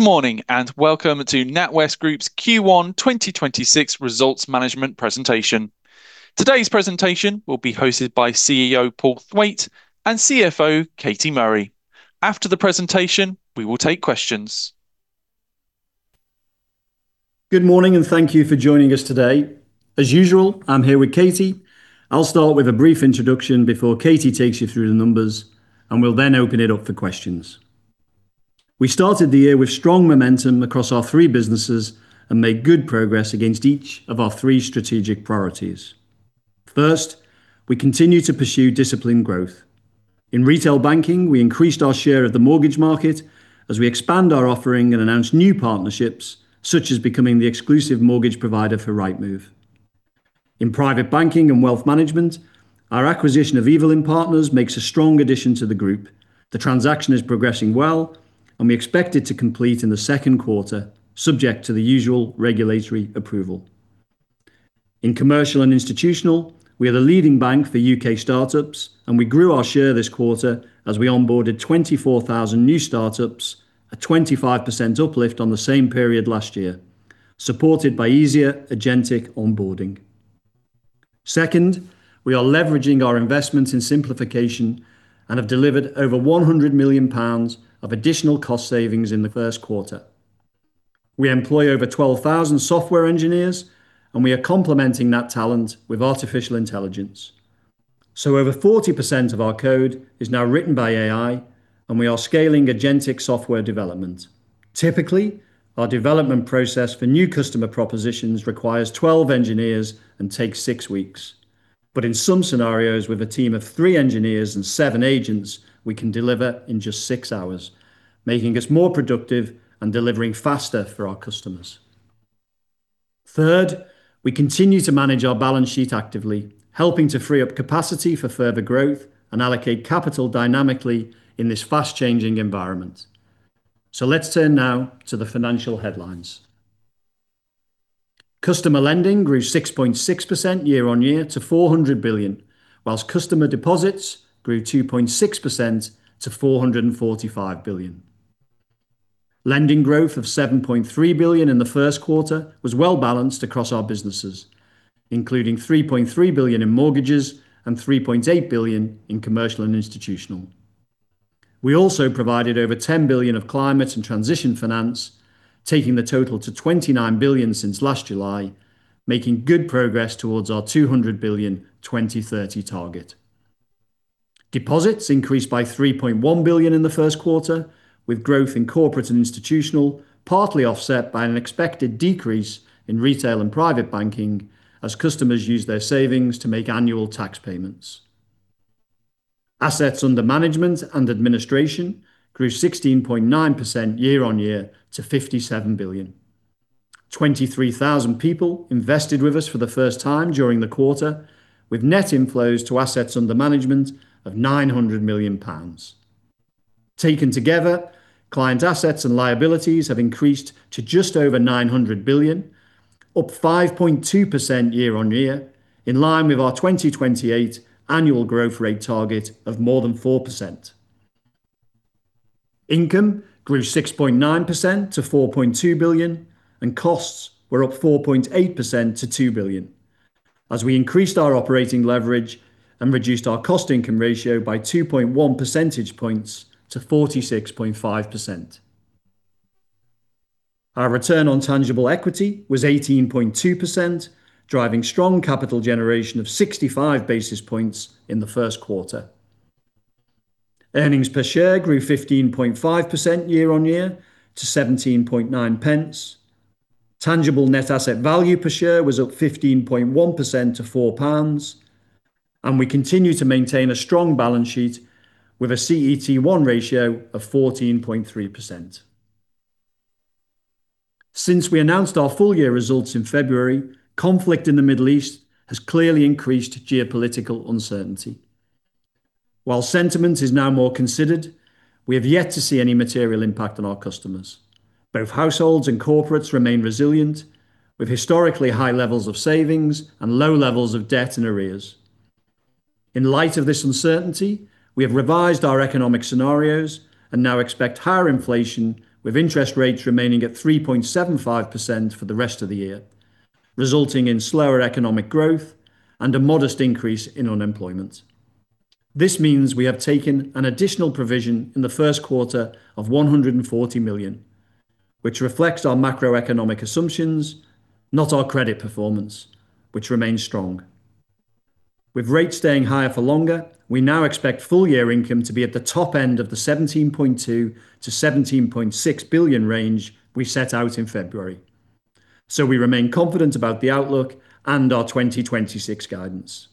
Morning, welcome to NatWest Group's Q1 2026 results management presentation. Today's presentation will be hosted by CEO Paul Thwaite and CFO Katie Murray. After the presentation, we will take questions. Good morning, thank you for joining us today. As usual, I'm here with Katie. I'll start with a brief introduction before Katie takes you through the numbers, and we'll then open it up for questions. We started the year with strong momentum across our three businesses and made good progress against each of our three strategic priorities. First, we continue to pursue disciplined growth. In retail banking, we increased our share of the mortgage market as we expand our offering and announced new partnerships, such as becoming the exclusive mortgage provider for Rightmove. In private banking and wealth management, our acquisition of Evelyn Partners makes a strong addition to the group. The transaction is progressing well, and we expect it to complete in the second quarter, subject to the usual regulatory approval. In commercial and institutional, we are the leading bank for U.K. startups, and we grew our share this quarter as we onboarded 24,000 new startups, a 25% uplift on the same period last year, supported by easier agentic onboarding. Second, we are leveraging our investments in simplification and have delivered over 100 million pounds of additional cost savings in the first quarter. We employ over 12,000 software engineers, and we are complementing that talent with artificial intelligence. Over 40% of our code is now written by AI, and we are scaling agentic software development. Typically, our development process for new customer propositions requires 12 engineers and takes six weeks. In some scenarios with a team of three engineers and seven agents, we can deliver in just six hours, making us more productive and delivering faster for our customers. Third, we continue to manage our balance sheet actively, helping to free up capacity for further growth and allocate capital dynamically in this fast-changing environment. Let's turn now to the financial headlines. Customer lending grew 6.6% year-on-year to 400 billion, whilst customer deposits grew 2.6% to 445 billion. Lending growth of 7.3 billion in the first quarter was well balanced across our businesses, including 3.3 billion in mortgages and 3.8 billion in commercial and institutional. We also provided over 10 billion of climate and transition finance, taking the total to 29 billion since last July, making good progress towards our 200 billion 2030 target. Deposits increased by 3.1 billion in the first quarter, with growth in corporate and institutional partly offset by an expected decrease in retail and private banking as customers use their savings to make annual tax payments. Assets under management and administration grew 16.9% year-on-year to 57 billion. 23,000 people invested with us for the first time during the quarter, with net inflows to assets under management of 900 million pounds. Taken together, client assets and liabilities have increased to just over 900 billion, up 5.2% year-on-year, in line with our 2028 annual growth rate target of more than 4%. Income grew 6.9% to 4.2 billion, and costs were up 4.8% to 2 billion as we increased our operating leverage and reduced our cost income ratio by 2.1 percentage points to 46.5%. Our return on tangible equity was 18.2%, driving strong capital generation of 65 basis points in the first quarter. Earnings per share grew 15.5% year-on-year to 0.179. Tangible net asset value per share was up 15.1% to 4 pounds, and we continue to maintain a strong balance sheet with a CET1 ratio of 14.3%. Since we announced our full year results in February, conflict in the Middle East has clearly increased geopolitical uncertainty. While sentiment is now more considered, we have yet to see any material impact on our customers. Both households and corporates remain resilient with historically high levels of savings and low levels of debt and arrears. In light of this uncertainty, we have revised our economic scenarios and now expect higher inflation with interest rates remaining at 3.75% for the rest of the year, resulting in slower economic growth and a modest increase in unemployment. This means we have taken an additional provision in the first quarter of 140 million, which reflects our macroeconomic assumptions, not our credit performance, which remains strong. With rates staying higher for longer, we now expect full year income to be at the top end of the 17.2 billion-17.6 billion range we set out in February. We remain confident about the outlook and our 2026 guidance.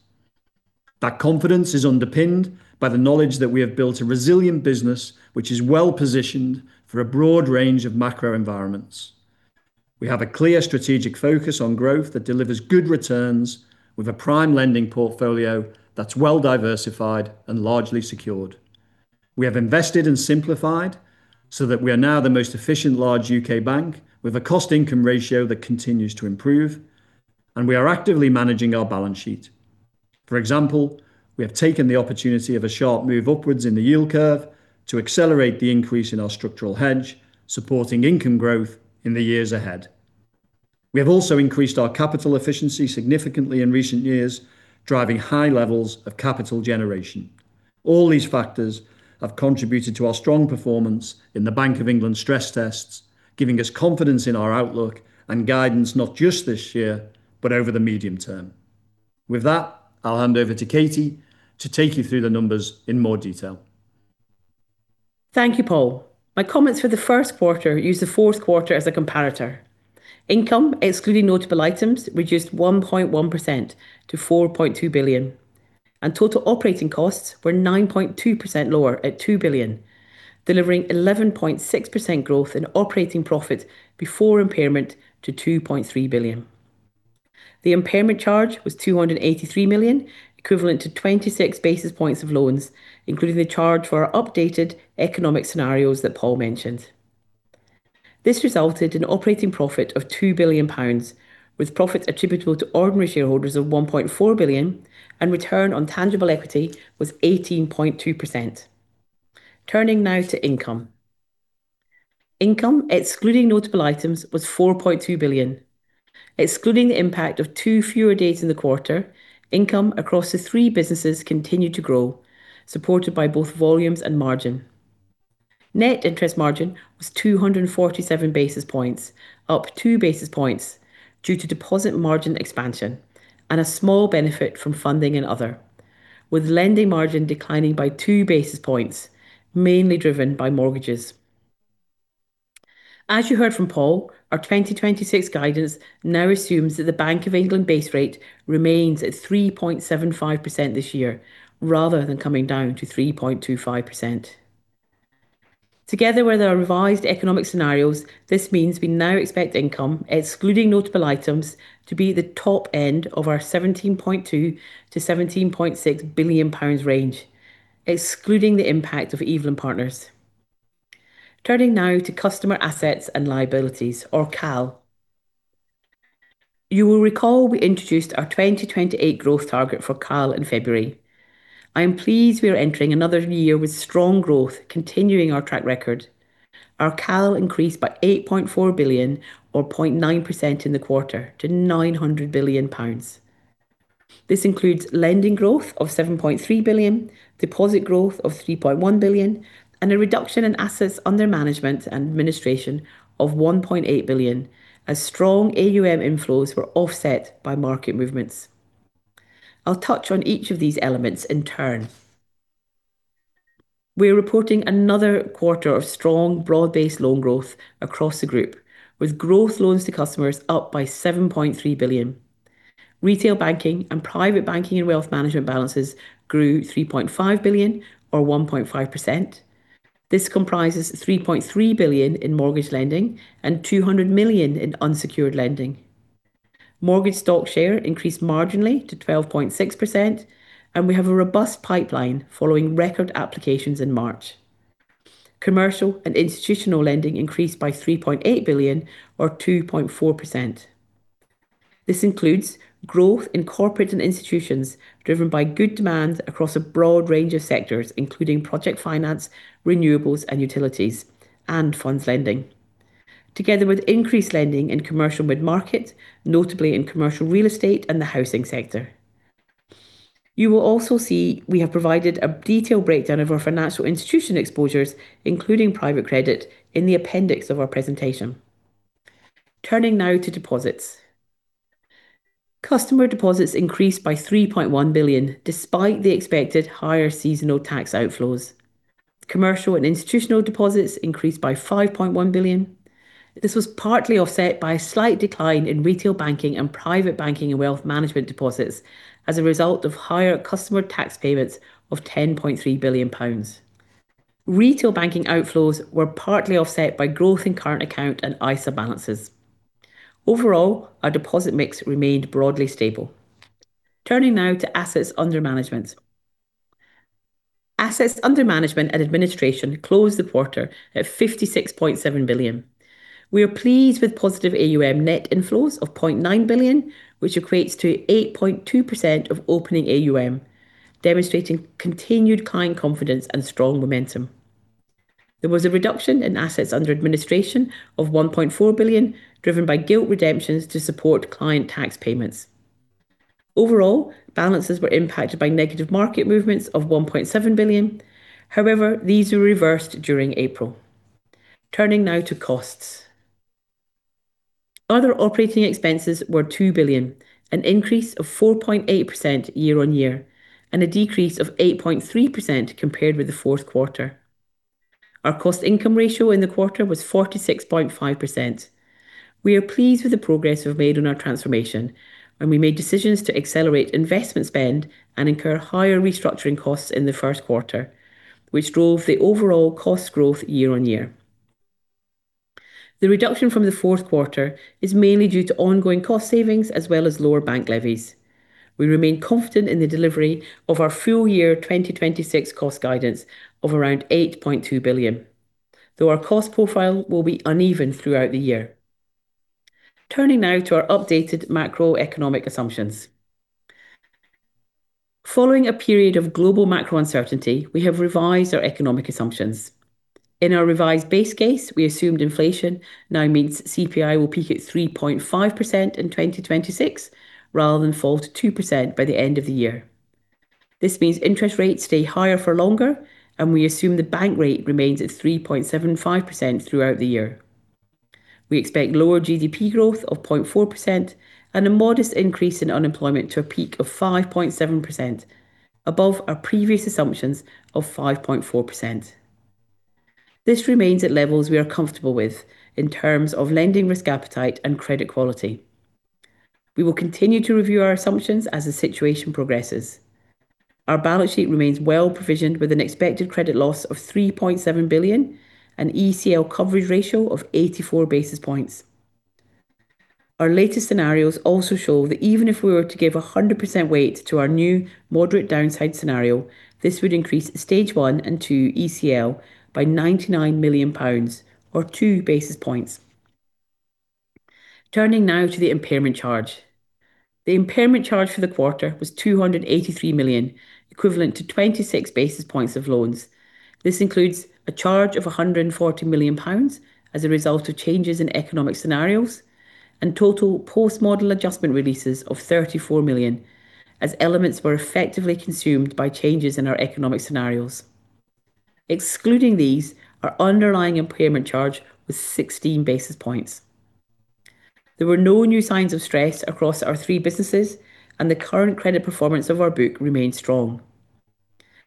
That confidence is underpinned by the knowledge that we have built a resilient business which is well-positioned for a broad range of macroenvironments. We have a clear strategic focus on growth that delivers good returns with a prime lending portfolio that's well diversified and largely secured. We have invested and simplified so that we are now the most efficient large U.K. bank with a cost income ratio that continues to improve, and we are actively managing our balance sheet. For example, we have taken the opportunity of a sharp move upwards in the yield curve to accelerate the increase in our structural hedge, supporting income growth in the years ahead. We have also increased our capital efficiency significantly in recent years, driving high levels of capital generation. All these factors have contributed to our strong performance in the Bank of England stress tests, giving us confidence in our outlook and guidance, not just this year, but over the medium term. With that, I'll hand over to Katie to take you through the numbers in more detail. Thank you, Paul. My comments for the first quarter use the fourth quarter as a comparator. Income, excluding notable items, reduced 1.1% to 4.2 billion, and total operating costs were 9.2% lower at 2 billion, delivering 11.6% growth in operating profit before impairment to 2.3 billion. The impairment charge was 283 million, equivalent to 26 basis points of loans, including the charge for our updated economic scenarios that Paul mentioned. This resulted in operating profit of 2 billion pounds, with profits attributable to ordinary shareholders of 1.4 billion and return on tangible equity was 18.2%. Turning now to income. Income, excluding notable items, was 4.2 billion. Excluding the impact of two fewer days in the quarter, income across the three businesses continued to grow, supported by both volumes and margin. Net interest margin was 247 basis points, up 2 basis points due to deposit margin expansion and a small benefit from funding and other, with lending margin declining by 2 basis points, mainly driven by mortgages. As you heard from Paul, our 2026 guidance now assumes that the Bank of England base rate remains at 3.75% this year, rather than coming down to 3.25%. Together with our revised economic scenarios, this means we now expect income, excluding notable items, to be at the top end of our 17.2 billion-17.6 billion pounds range, excluding the impact of Evelyn Partners. Turning now to customer assets and liabilities or CAL. You will recall we introduced our 2028 growth target for CAL in February. I am pleased we are entering another new year with strong growth continuing our track record. Our CAL increased by 8.4 billion or 0.9% in the quarter to 900 billion pounds. This includes lending growth of 7.3 billion, deposit growth of 3.1 billion, and a reduction in assets under management and administration of 1.8 billion as strong AUM inflows were offset by market movements. I'll touch on each of these elements in turn. We're reporting another quarter of strong broad-based loan growth across the group, with growth loans to customers up by 7.3 billion. Retail banking and private banking and wealth management balances grew 3.5 billion or 1.5%. This comprises 3.3 billion in mortgage lending and 200 million in unsecured lending. Mortgage stock share increased marginally to 12.6%, and we have a robust pipeline following record applications in March. Commercial and institutional lending increased by 3.8 billion or 2.4%. This includes growth in corporate and institutions driven by good demand across a broad range of sectors, including project finance, renewables and utilities, and funds lending, together with increased lending in commercial mid-market, notably in commercial real estate and the housing sector. You will also see we have provided a detailed breakdown of our financial institution exposures, including private credit in the appendix of our presentation. Turning now to deposits. Customer deposits increased by 3.1 billion despite the expected higher seasonal tax outflows. Commercial and institutional deposits increased by 5.1 billion. This was partly offset by a slight decline in retail banking and private banking and wealth management deposits as a result of higher customer tax payments of 10.3 billion pounds. Retail banking outflows were partly offset by growth in current account and ISA balances. Overall, our deposit mix remained broadly stable. Turning now to assets under management. Assets under management and administration closed the quarter at 56.7 billion. We are pleased with positive AUM net inflows of 0.9 billion, which equates to 8.2% of opening AUM, demonstrating continued client confidence and strong momentum. There was a reduction in assets under administration of 1.4 billion, driven by gilt redemptions to support client tax payments. Overall, balances were impacted by negative market movements of 1.7 billion. These were reversed during April. Turning now to costs. Other operating expenses were 2 billion, an increase of 4.8% year-on-year and a decrease of 8.3% compared with the fourth quarter. Our cost income ratio in the quarter was 46.5%. We are pleased with the progress we've made on our transformation, and we made decisions to accelerate investment spend and incur higher restructuring costs in the first quarter, which drove the overall cost growth year-on-year. The reduction from the fourth quarter is mainly due to ongoing cost savings as well as lower bank levies. We remain confident in the delivery of our full year 2026 cost guidance of around 8.2 billion, though our cost profile will be uneven throughout the year. Turning now to our updated macroeconomic assumptions. Following a period of global macro uncertainty, we have revised our economic assumptions. In our revised base case, we assumed inflation now means CPI will peak at 3.5% in 2026 rather than fall to 2% by the end of the year. This means interest rates stay higher for longer, and we assume the bank rate remains at 3.75% throughout the year. We expect lower GDP growth of 0.4% and a modest increase in unemployment to a peak of 5.7%, above our previous assumptions of 5.4%. This remains at levels we are comfortable with in terms of lending risk appetite and credit quality. We will continue to review our assumptions as the situation progresses. Our balance sheet remains well-provisioned with an expected credit loss of 3.7 billion and ECL coverage ratio of 84 basis points. Our latest scenarios also show that even if we were to give a 100% weight to our new moderate downside scenario, this would increase stage 1 and 2 ECL by 99 million pounds or 2 basis points. Turning now to the impairment charge. The impairment charge for the quarter was 283 million, equivalent to 26 basis points of loans. This includes a charge of 140 million pounds as a result of changes in economic scenarios and total post-model adjustment releases of 34 million, as elements were effectively consumed by changes in our economic scenarios. Excluding these, our underlying impairment charge was 16 basis points. There were no new signs of stress across our three businesses, and the current credit performance of our book remains strong.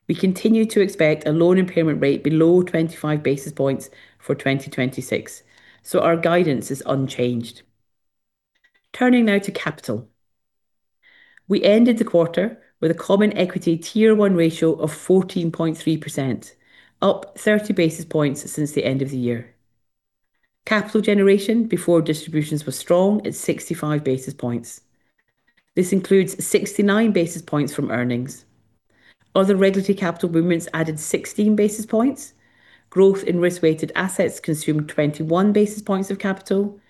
We continue to expect a loan impairment rate below 25 basis points for 2026, so our guidance is unchanged. Turning now to capital. We ended the quarter with a Common Equity Tier 1 ratio of 14.3%, up 30 basis points since the end of the year. Capital generation before distributions was strong at 65 basis points. This includes 69 basis points from earnings. Other regulatory capital movements added 16 basis points. Growth in risk-weighted assets consumed 21 basis points of capital,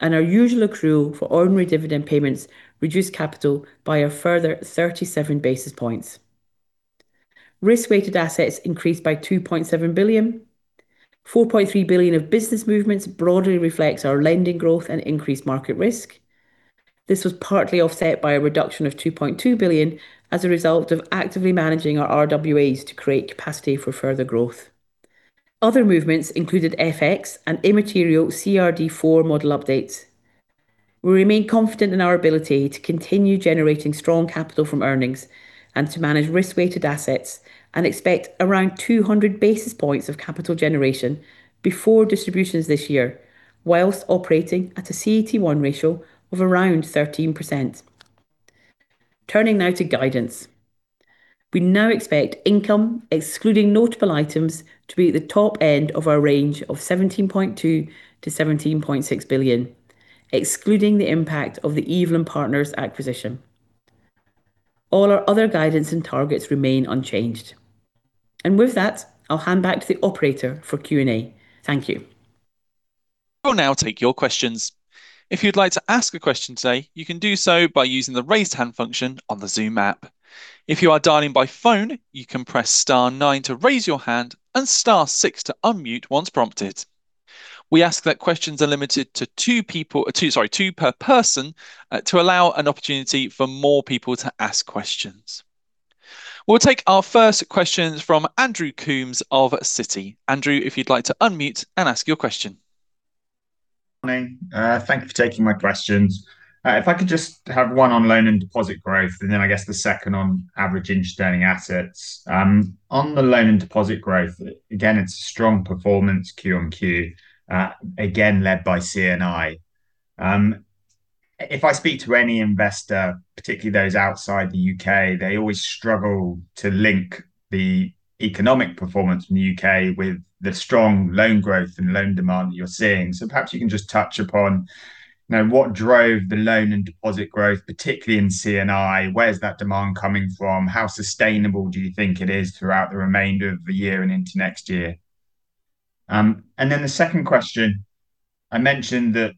and our usual accrual for ordinary dividend payments reduced capital by a further 37 basis points. Risk-weighted assets increased by 2.7 billion. 4.3 billion of business movements broadly reflects our lending growth and increased market risk. This was partly offset by a reduction of 2.2 billion as a result of actively managing our RWAs to create capacity for further growth. Other movements included FX and immaterial CRD4 model updates. We remain confident in our ability to continue generating strong capital from earnings and to manage risk-weighted assets and expect around 200 basis points of capital generation before distributions this year, whilst operating at a CET1 ratio of around 13%. Turning now to guidance. We now expect income, excluding notable items, to be at the top end of our range of 17.2 billion-17.6 billion, excluding the impact of the Evelyn Partners acquisition. All our other guidance and targets remain unchanged. With that, I'll hand back to the operator for Q&A. Thank you. We'll now take your questions. If you'd like to ask a question today, you can do so by using the Raise Hand function on the Zoom app. If you are dialing by phone, you can press star nine to raise your hand and star six to unmute once prompted. We ask that questions are limited to two people, sorry, two per person, to allow an opportunity for more people to ask questions. We'll take our first questions from Andrew Coombs of Citi. Andrew, if you'd like to unmute and ask your question. Morning. Thank you for taking my questions. If I could just have one on loan and deposit growth and then I guess the second on Average Interest-Earning Assets. On the loan and deposit growth, again, it's a strong performance Q on Q, again, led by C&I. If I speak to any investor, particularly those outside the U.K., they always struggle to link the economic performance in the U.K. with the strong loan growth and loan demand you're seeing. Perhaps you can just touch upon, you know, what drove the loan and deposit growth, particularly in C&I. Where is that demand coming from? How sustainable do you think it is throughout the remainder of the year and into next year? The second question, I mentioned that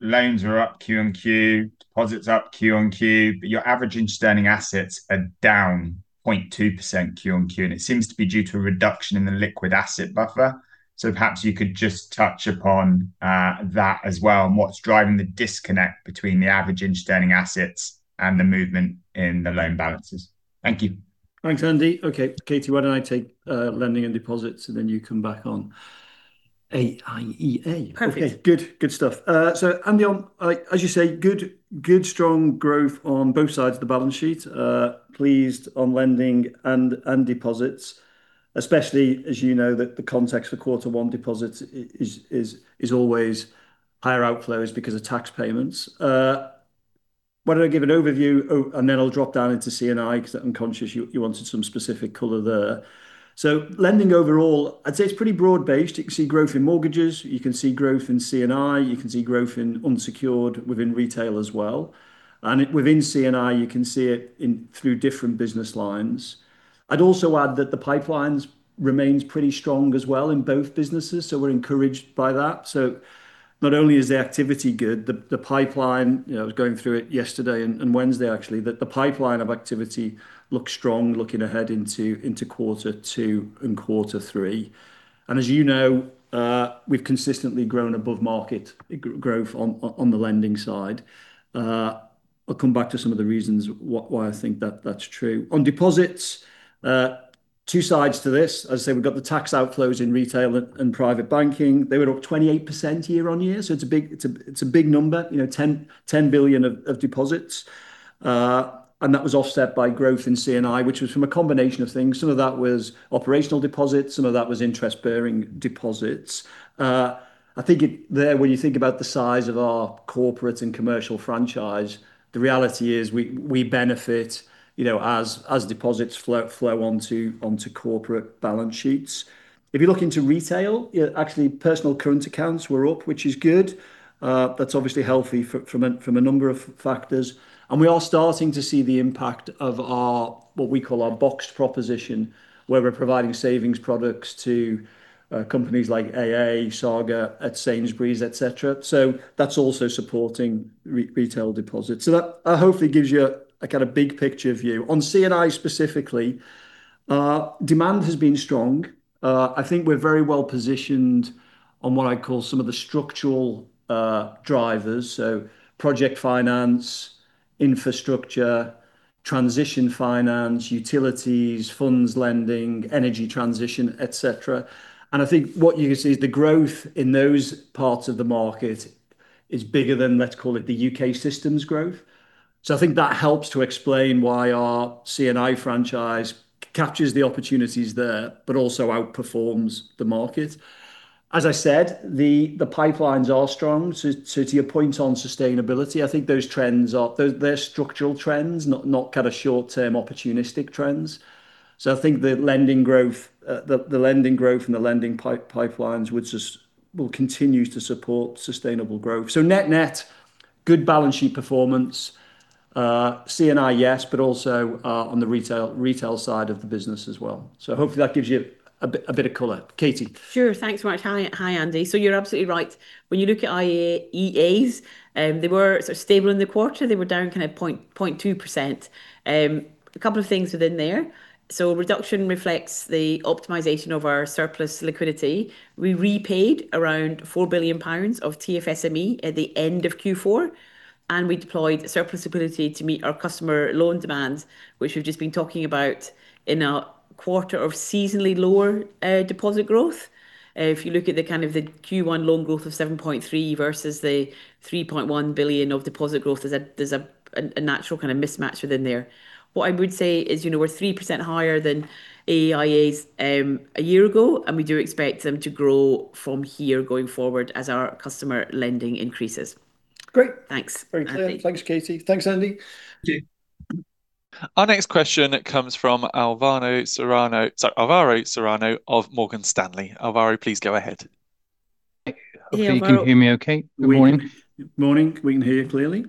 loans are up Q on Q, deposits up Q on Q, but your Average Interest-Earning Assets are down 0.2% Q on Q, and it seems to be due to a reduction in the liquid asset buffer. Perhaps you could just touch upon that as well and what's driving the disconnect between the Average Interest-Earning Assets and the movement in the loan balances. Thank you. Thanks, Andy. Okay, Katie, why don't I take lending and deposits and then you come back on AIEA. Perfect. Okay. Good, good stuff. Andy, as you say, good strong growth on both sides of the balance sheet. Pleased on lending and deposits, especially as you know that the context for Q1 deposits is always higher outflows because of tax payments. Why don't I give an overview, and then I'll drop down into C&I 'cause I'm conscious you wanted some specific color there. Lending overall, I'd say it's pretty broad-based. You can see growth in mortgages, you can see growth in C&I, you can see growth in unsecured within retail as well. Within C&I, you can see it through different business lines. I'd also add that the pipelines remains pretty strong as well in both businesses, so we're encouraged by that. Not only is the activity good, the pipeline, you know, I was going through it yesterday and Wednesday actually, the pipeline of activity looks strong looking ahead into quarter two and quarter three. As you know, we've consistently grown above market growth on the lending side. I'll come back to some of the reasons why I think that that's true. On deposits, two sides to this. As I say, we've got the tax outflows in retail and private banking. They were up 28% year-on-year, so it's a big number. You know, 10 billion of deposits. That was offset by growth in C&I, which was from a combination of things. Some of that was operational deposits, some of that was interest-bearing deposits. I think when you think about the size of our corporate and commercial franchise, the reality is we benefit, you know, as deposits flow onto corporate balance sheets. If you look into retail, actually personal current accounts were up, which is good. That's obviously healthy from a number of factors. We are starting to see the impact of our, what we call our boxed proposition, where we're providing savings products to companies like AA, Saga, Sainsbury's, et cetera. That's also supporting retail deposits. That hopefully gives you a kind of big picture view. On C&I specifically, demand has been strong. I think we're very well-positioned on what I'd call some of the structural drivers, so project finance, infrastructure, transition finance, utilities, funds lending, energy transition, et cetera. I think what you can see is the growth in those parts of the market is bigger than, let's call it, the U.K. systems growth. I think that helps to explain why our C&I franchise captures the opportunities there, but also outperforms the market. As I said, the pipelines are strong. To your point on sustainability, I think those trends are they're structural trends, not kind of short-term opportunistic trends. I think the lending growth and the lending pipelines will continue to support sustainable growth. Net net, good balance sheet performance. C&I, yes, but also on the retail side of the business as well. Hopefully that gives you a bit of color. Katie? Sure. Thanks very much. Hi, hi Andy. You're absolutely right. When you look at AIEA, they were sort of stable in the quarter. They were down kind of 0.2%. A couple of things within there. A reduction reflects the optimization of our surplus liquidity. We repaid around 4 billion pounds of TFSME at the end of Q4, and we deployed surplus ability to meet our customer loan demands, which we've just been talking about in a quarter of seasonally lower deposit growth. If you look at the kind of the Q1 loan growth of 7.3 billion versus the 3.1 billion of deposit growth, there's a natural kind of mismatch within there. What I would say is, you know, we're 3% higher than AIEA's a year ago, we do expect them to grow from here going forward as our customer lending increases. Great. Thanks, Andy. Very clear. Thanks, Katie. Thanks, Andy. Our next question comes from Alvaro Serrano. Sorry, Alvaro Serrano of Morgan Stanley. Alvaro, please go ahead. Yeah, well. Hope you can hear me okay. Good morning. Morning. We can hear you clearly.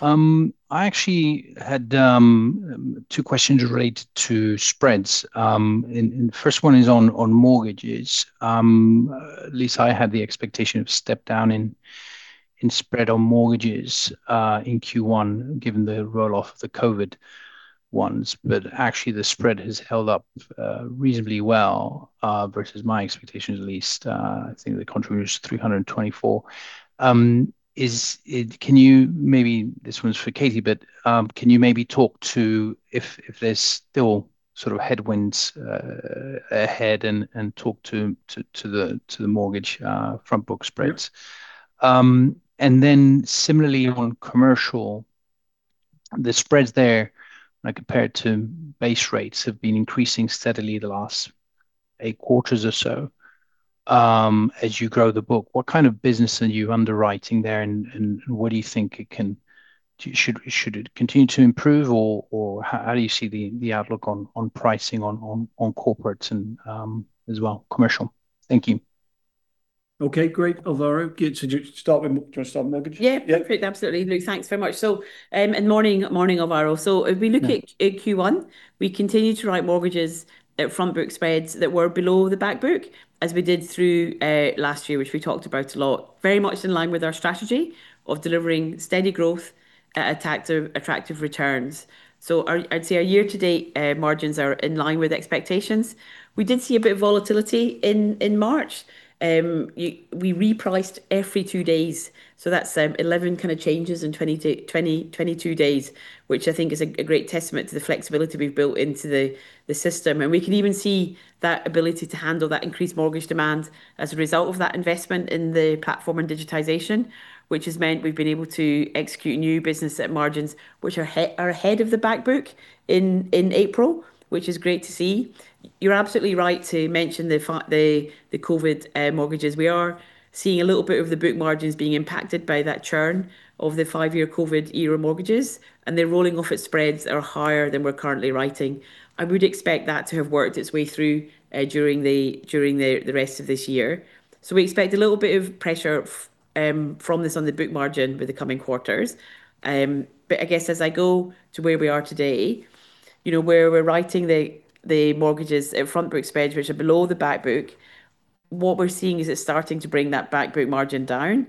I actually had two questions related to spreads. The first one is on mortgages. At least I had the expectation of a step down in spread on mortgages in Q1, given the roll-off of the COVID ones. Actually the spread has held up reasonably well versus my expectations at least. I think the contribution is 324. Can you maybe? This one's for Katie, but can you maybe talk to if there's still sort of headwinds ahead and talk to the mortgage front book spreads? Then similarly on commercial, the spreads there, when I compare it to base rates, have been increasing steadily the last eight quarters or so. As you grow the book, what kind of business are you underwriting there and, what do you think should it continue to improve or, how do you see the outlook on pricing on corporates and, as well commercial? Thank you. Okay, great, Alvaro. Good. Do you want to start with mortgages? Yeah. Yeah. Great. Absolutely. No, thanks very much. morning Alvaro. Yeah. At Q1, we continue to write mortgages at front book spreads that were below the back book, as we did through last year, which we talked about a lot, very much in line with our strategy of delivering steady growth at attractive returns. Our, I'd say our year-to-date margins are in line with expectations. We did see a bit of volatility in March. We repriced every two days, so that's 11 kind of changes in 20 to 22 days, which I think is a great testament to the flexibility we've built into the system. We can even see that ability to handle that increased mortgage demand as a result of that investment in the platform and digitization, which has meant we've been able to execute new business at margins which are ahead of the back book in April, which is great to see. You're absolutely right to mention the COVID mortgages. We are seeing a little bit of the book margins being impacted by that churn of the five-year COVID era mortgages, and they're rolling off at spreads that are higher than we're currently writing. I would expect that to have worked its way through during the rest of this year. We expect a little bit of pressure from this on the book margin for the coming quarters. I guess as I go to where we are today. You know, where we're writing the mortgages in front book spreads which are below the back book, what we're seeing is it's starting to bring that back book margin down.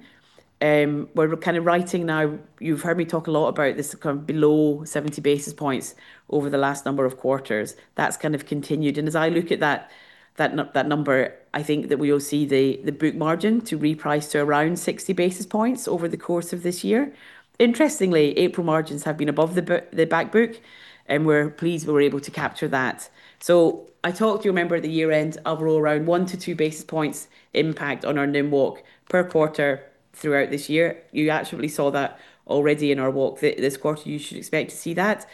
We're kind of writing now, you've heard me talk a lot about this kind of below 70 basis points over the last number of quarters. That's kind of continued, and as I look at that number, I think that we will see the book margin to reprice to around 60 basis points over the course of this year. Interestingly, April margins have been above the back book, and we're pleased we were able to capture that. I talked to you, remember, at the year end of around 1 to 2 basis points impact on our NIM walk per quarter throughout this year. You actually saw that already in our walk this quarter. You should expect to see that.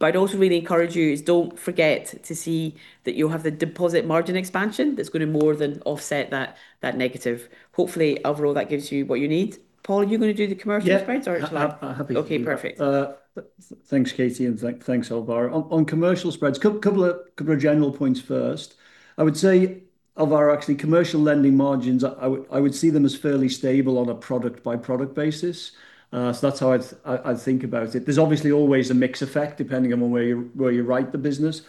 I'd also really encourage you is don't forget to see that you have the deposit margin expansion that's gonna more than offset that negative. Hopefully, overall, that gives you what you need. Paul, are you gonna do the commercial spreads? Yeah. Shall I? Happy to. Okay, perfect. Thanks, Katie, and thanks, Alvaro. On commercial spreads, couple of general points first. I would say of our actually commercial lending margins, I would see them as fairly stable on a product-by-product basis. That's how I'd think about it. There's obviously always a mix effect depending on where you write the business,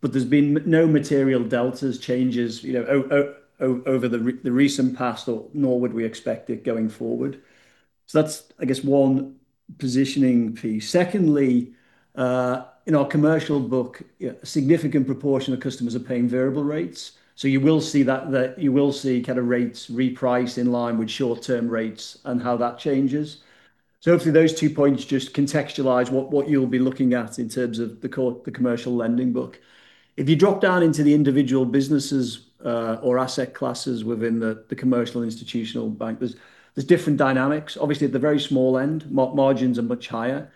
but there's been no material deltas, changes, you know, over the recent past or nor would we expect it going forward. That's, I guess, one positioning piece. Secondly, in our commercial book, a significant proportion of customers are paying variable rates, so you will see that. You will see kind of rates reprice in line with short-term rates and how that changes. Hopefully those two points just contextualize what you'll be looking at in terms of the commercial lending book. If you drop down into the individual businesses or asset classes within the commercial institutional bank, there's different dynamics. Obviously at the very small end, margins are much higher,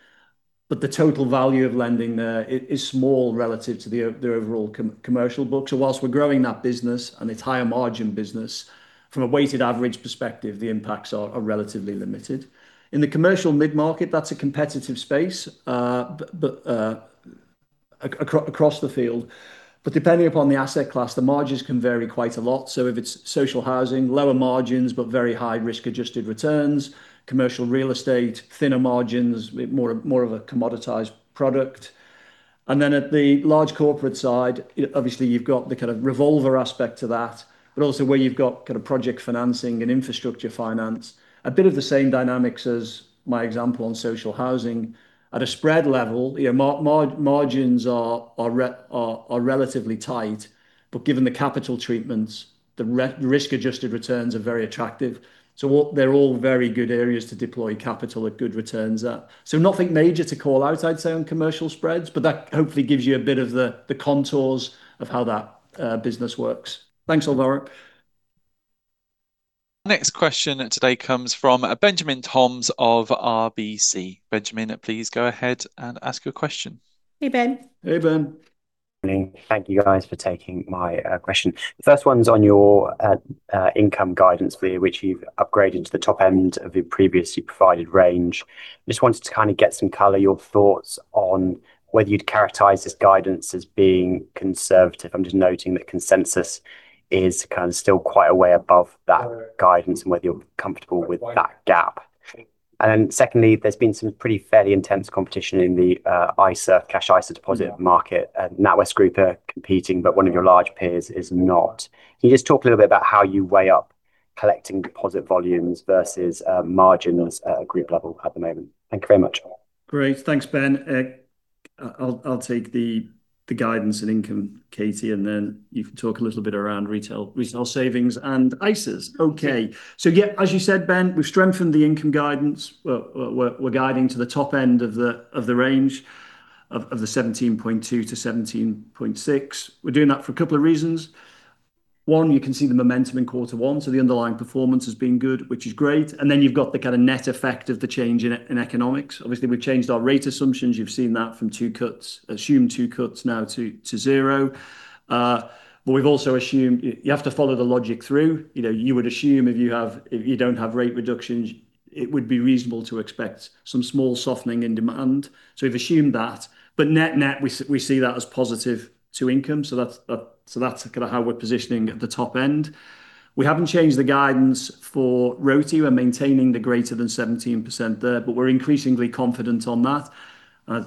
but the total value of lending there is small relative to the overall commercial book. Whilst we're growing that business, and it's higher margin business, from a weighted average perspective the impacts are relatively limited. In the commercial mid-market, that's a competitive space, but across the field, but depending upon the asset class, the margins can vary quite a lot, so if it's social housing, lower margins but very high risk-adjusted returns. Commercial real estate, thinner margins, more of a commoditized product. At the large corporate side, obviously you've got the kind of revolver aspect to that, but also where you've got kind of project financing and infrastructure finance, a bit of the same dynamics as my example on social housing. At a spread level, you know, margins are relatively tight, but given the capital treatments, risk-adjusted returns are very attractive. What they're all very good areas to deploy capital at good returns at. Nothing major to call out, I'd say, on commercial spreads, but that hopefully gives you a bit of the contours of how that business works. Thanks, Alvaro. Next question today comes from Benjamin Toms of RBC. Benjamin, please go ahead and ask your question. Hey, Ben. Hey, Ben. Morning. Thank you guys for taking my question. The first one's on your income guidance for you, which you've upgraded to the top end of your previously provided range. Just wanted to kind of get some color, your thoughts on whether you'd characterize this guidance as being conservative. I'm just noting that consensus is kind of still quite a way above that guidance and whether you're comfortable with that gap. Secondly, there's been some pretty fairly intense competition in the ISA, cash ISA deposit market. NatWest Group are competing, but one of your large peers is not. Can you just talk a little bit about how you weigh up collecting deposit volumes versus margin at group level at the moment? Thank you very much. Great. Thanks, Ben. I'll take the guidance and income, Katie. Then you can talk a little bit around retail savings and ISAs. Yeah, as you said, Ben, we've strengthened the income guidance. We're guiding to the top end of the range of the 17.2-17.6. We're doing that for a couple of reasons. One, you can see the momentum in quarter one. The underlying performance has been good, which is great. Then you've got the kind of net effect of the change in economics. Obviously, we've changed our rate assumptions. You've seen that from two cuts, assumed two cuts now to zero. We've also assumed, you have to follow the logic through. You know, you would assume if you have, if you don't have rate reductions, it would be reasonable to expect some small softening in demand, so we've assumed that. Net-net, we see that as positive to income, so that's kind of how we're positioning at the top end. We haven't changed the guidance for RoTE. We're maintaining the greater than 17% there, but we're increasingly confident on that.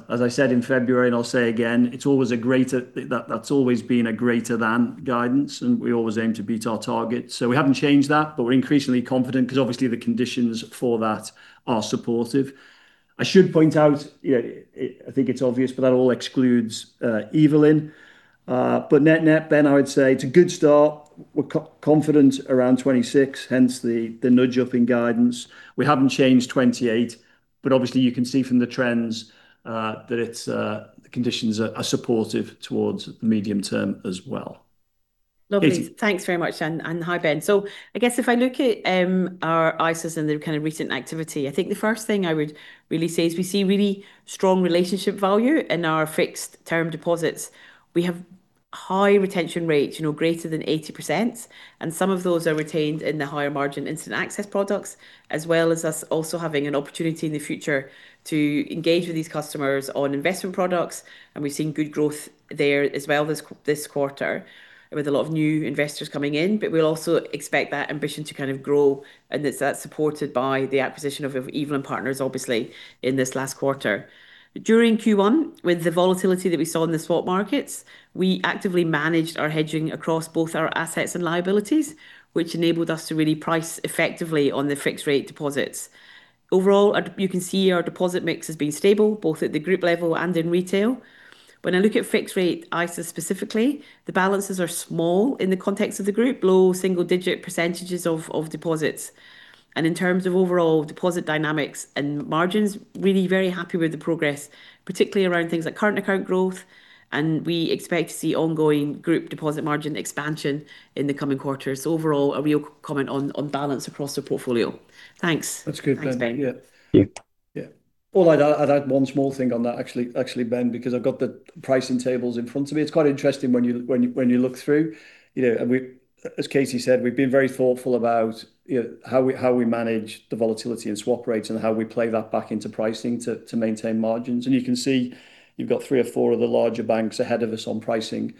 As I said in February and I'll say again, it's always a greater, that's always been a greater than guidance, and we always aim to beat our targets. We haven't changed that, but we're increasingly confident 'cause obviously the conditions for that are supportive. I should point out, you know, it, I think it's obvious, but that all excludes Evelyn. Net-net, Ben, I would say it's a good start. We're confident around 2026, hence the nudge up in guidance. We haven't changed 2028, but obviously you can see from the trends that it's the conditions are supportive towards the medium term as well. Katie? Lovely. Thanks very much and hi, Ben. I guess if I look at our ISAs and the kind of recent activity, I think the first thing I would really say is we see really strong relationship value in our fixed term deposits. We have high retention rates, you know, greater than 80%, and some of those are retained in the higher margin instant access products, as well as us also having an opportunity in the future to engage with these customers on investment products, and we've seen good growth there as well this quarter with a lot of new investors coming in. We'll also expect that ambition to kind of grow, and it's that's supported by the acquisition of Evelyn Partners, obviously, in this last quarter. During Q1, with the volatility that we saw in the swap markets, we actively managed our hedging across both our assets and liabilities, which enabled us to really price effectively on the fixed-rate deposits. Overall, you can see our deposit mix has been stable, both at the group level and in retail. When I look at fixed-rate ISA specifically, the balances are small in the context of the group, low single-digit percentages of deposits. In terms of overall deposit dynamics and margins, really very happy with the progress, particularly around things like current account growth, and we expect to see ongoing group deposit margin expansion in the coming quarters. Overall, a real comment on balance across the portfolio. Thanks. That's good, Ben. Thanks, Ben. Yeah. Thank you. I'd add one small thing on that, actually, Ben, because I've got the pricing tables in front of me. It's quite interesting when you look through, you know, as Katie said, we've been very thoughtful about, you know, how we manage the volatility and swap rates and how we play that back into pricing to maintain margins. You can see you've got three or four of the larger banks ahead of us on pricing.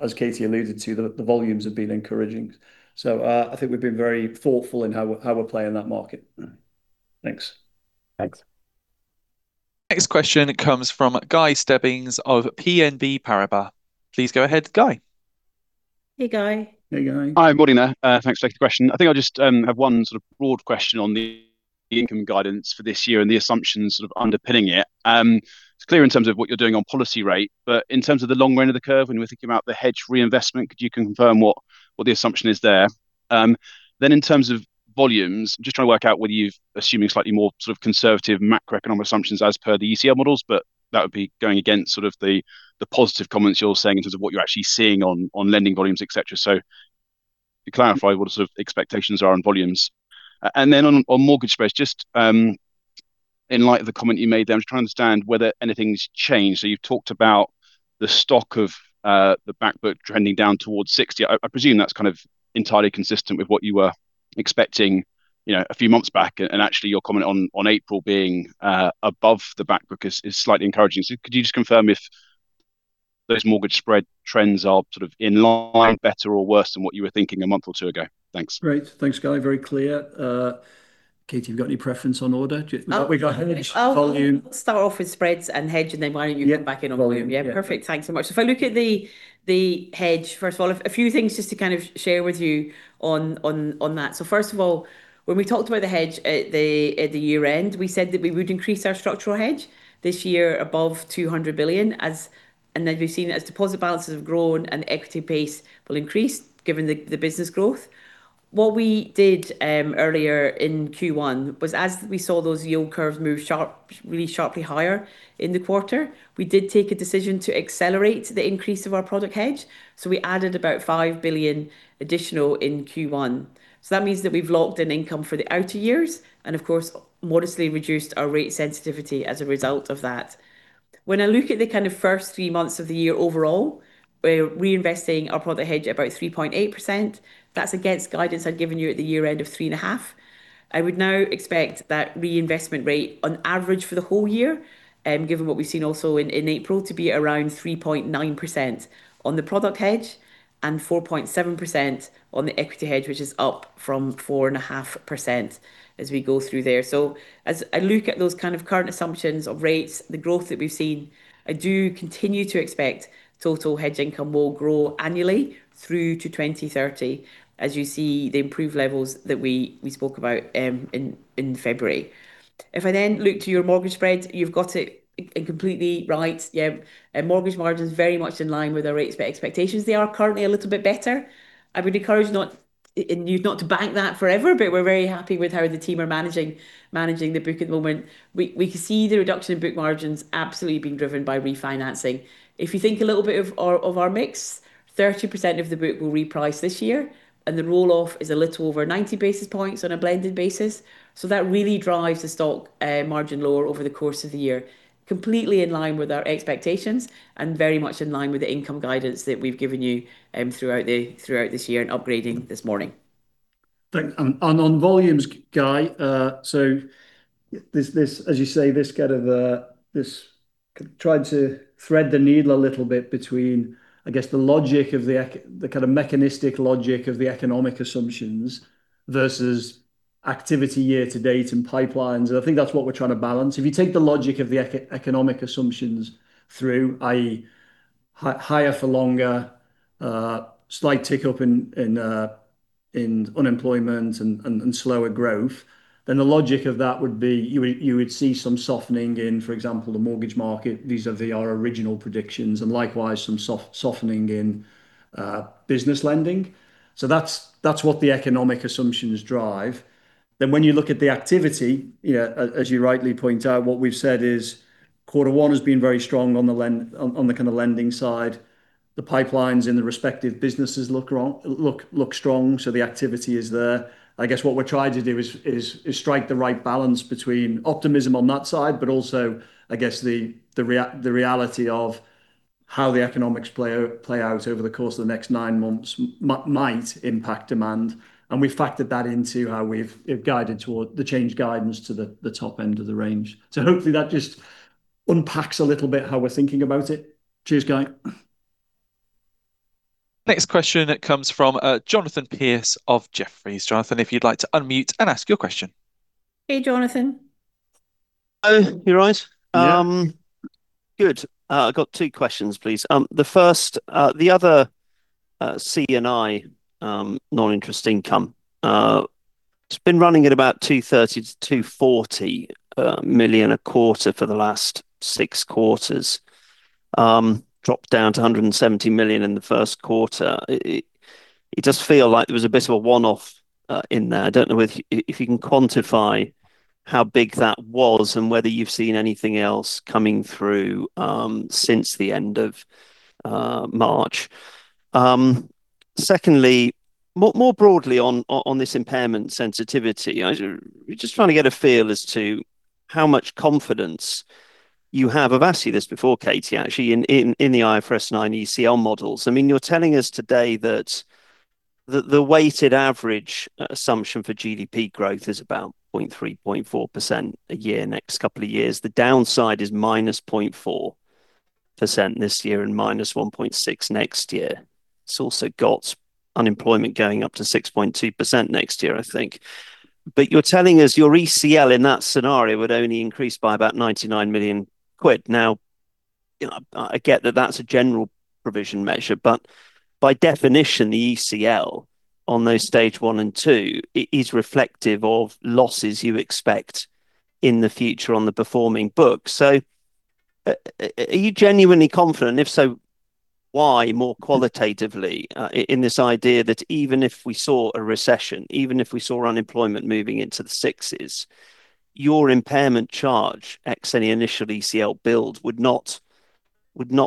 As Katie alluded to, the volumes have been encouraging. I think we've been very thoughtful in how we're playing that market. Thanks. Thanks. Next question comes from Guy Stebbings of BNP Paribas. Please go ahead, Guy. Hey, Guy. Hey, Guy. Hi. Morning there. Thanks for the question. I think I just have one sort of broad question on the income guidance for this year and the assumptions sort of underpinning it. It's clear in terms of what you're doing on policy rate, but in terms of the long run of the curve, when we're thinking about the hedge reinvestment, could you confirm what the assumption is there? In terms of volumes, I'm just trying to work out whether you're assuming slightly more sort of conservative macroeconomic assumptions as per the ECL models, but that would be going against the positive comments you're saying in terms of what you're actually seeing on lending volumes, et cetera. Clarify what sort of expectations are on volumes. On, on mortgage spreads, just, in light of the comment you made there, I'm just trying to understand whether anything's changed. You've talked about the stock of the back book trending down towards 60. I presume that's kind of entirely consistent with what you were expecting, you know, a few months back. Actually your comment on April being above the back book is slightly encouraging. Could you just confirm if those mortgage spread trends are sort of in line better or worse than what you were thinking a month or two ago? Thanks. Great. Thanks, Guy. Very clear. Katie, have you got any preference on order? I'll. We've got hedge, volume. I'll start off with spreads and hedge, and then why don't you come back in on volume? Yeah, volume. Yeah. Yeah, perfect. Thanks so much. If I look at the hedge, first of all, a few things just to kind of share with you on that. First of all, when we talked about the hedge at the year-end, we said that we would increase our structural hedge this year above 200 billion and as we've seen, as deposit balances have grown and equity base will increase given the business growth. What we did earlier in Q1 was, as we saw those yield curves move really sharply higher in the quarter, we did take a decision to accelerate the increase of our product hedge, so we added about 5 billion additional in Q1. That means that we've locked in income for the outer years and, of course, modestly reduced our rate sensitivity as a result of that. When I look at the kind of first three months of the year overall, we're reinvesting our product hedge at about 3.8%. That's against guidance I'd given you at the year-end of 3.5%. I would now expect that reinvestment rate on average for the whole year, given what we've seen also in April, to be around 3.9% on the product hedge and 4.7% on the equity hedge, which is up from 4.5% as we go through there. As I look at those kind of current assumptions of rates, the growth that we've seen, I do continue to expect total hedge income will grow annually through to 2030 as you see the improved levels that we spoke about in February. If I look to your mortgage spreads, you've got it completely right. Mortgage margins very much in line with our expectations. They are currently a little bit better. I would encourage you not to bank that forever, but we're very happy with how the team are managing the book at the moment. We can see the reduction in book margins absolutely being driven by refinancing. If you think a little bit of our mix, 30% of the book will reprice this year, and the roll-off is a little over 90 basis points on a blended basis. That really drives the stock margin lower over the course of the year, completely in line with our expectations and very much in line with the income guidance that we've given you throughout this year and upgrading this morning. Thanks. On volumes, Guy, so this, as you say, this kind of, this trying to thread the needle a little bit between, I guess, the logic of the kind of mechanistic logic of the economic assumptions versus activity year to date and pipelines, and I think that's what we're trying to balance. If you take the logic of the economic assumptions through, i.e., higher for longer, slight tick up in unemployment and slower growth, then the logic of that would be you would see some softening in, for example, the mortgage market. These are our original predictions and likewise some softening in business lending. That's what the economic assumptions drive. When you look at the activity, you know, as you rightly point out, what we've said is quarter one has been very strong on the lending side. The pipelines in the respective businesses look strong, so the activity is there. I guess what we're trying to do is strike the right balance between optimism on that side, but also, I guess, the reality of how the economics play out over the course of the next nine months might impact demand, and we've factored that into how we've guided toward the changed guidance to the top end of the range. Hopefully that just unpacks a little bit how we're thinking about it. Cheers, Guy. Next question comes from, Jonathan Pierce of Jefferies. Jonathan, if you'd like to unmute and ask your question. Hey, Jonathan. Hello. You all right? Yeah. Good. I've got two questions, please. The first, the other C&I non-interest income, it's been running at about 230 million-240 million a quarter for the last six quarters. Dropped down to 170 million in the first quarter. It does feel like there was a bit of a one-off in there. I don't know if you can quantify how big that was and whether you've seen anything else coming through since the end of March. Secondly, more broadly on this impairment sensitivity, I just trying to get a feel as to how much confidence you have. I've asked you this before, Katie, actually, in the IFRS 9 ECL models. I mean, you're telling us today that the weighted average assumption for GDP growth is about 0.3%, 0.4% a year next couple of years. The downside is -0.4% this year and -1.6% next year. It's also got unemployment going up to 6.2% next year, I think. You're telling us your ECL in that scenario would only increase by about 99 million quid. You know, I get that that's a general provision measure, but by definition, the ECL on those stage 1 and 2 is reflective of losses you expect in the future on the performing book. Are you genuinely confident? If so, why, more qualitatively, in this idea that even if we saw a recession, even if we saw unemployment moving into the 6s, your impairment charge, X any initial ECL build, would not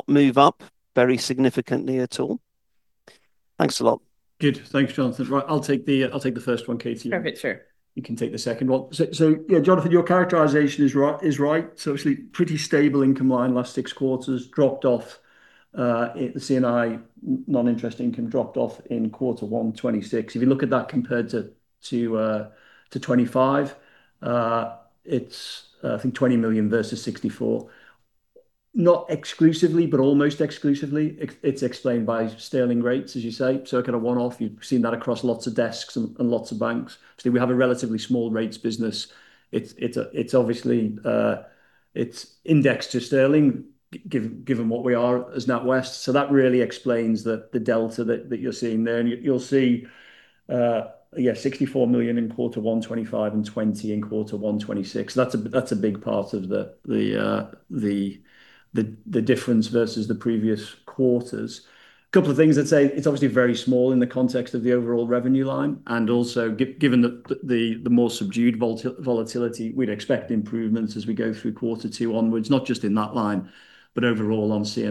move up very significantly at all? Thanks a lot. Good. Thanks, Jonathan. Right, I'll take the first one, Katie. Perfect. Sure. You can take the second one. Jonathan, your characterization is right. Obviously pretty stable income line last six quarters. Dropped off at the C&I, non-interest income dropped off in quarter 1 2026. If you look at that compared to 2025, I think 20 million versus 64 million. Not exclusively, but almost exclusively, it's explained by sterling rates, as you say. Kind of one-off, you've seen that across lots of desks and lots of banks. We have a relatively small rates business. It's obviously indexed to sterling given what we are as NatWest. That really explains the delta that you're seeing there. You'll see 64 million in quarter one 2025 and 20 million in quarter one 2026. That's a big part of the difference versus the previous quarters. Couple of things I'd say, it's obviously very small in the context of the overall revenue line, and also given the more subdued volatility, we'd expect improvements as we go through quarter two onwards, not just in that line, but overall on C&I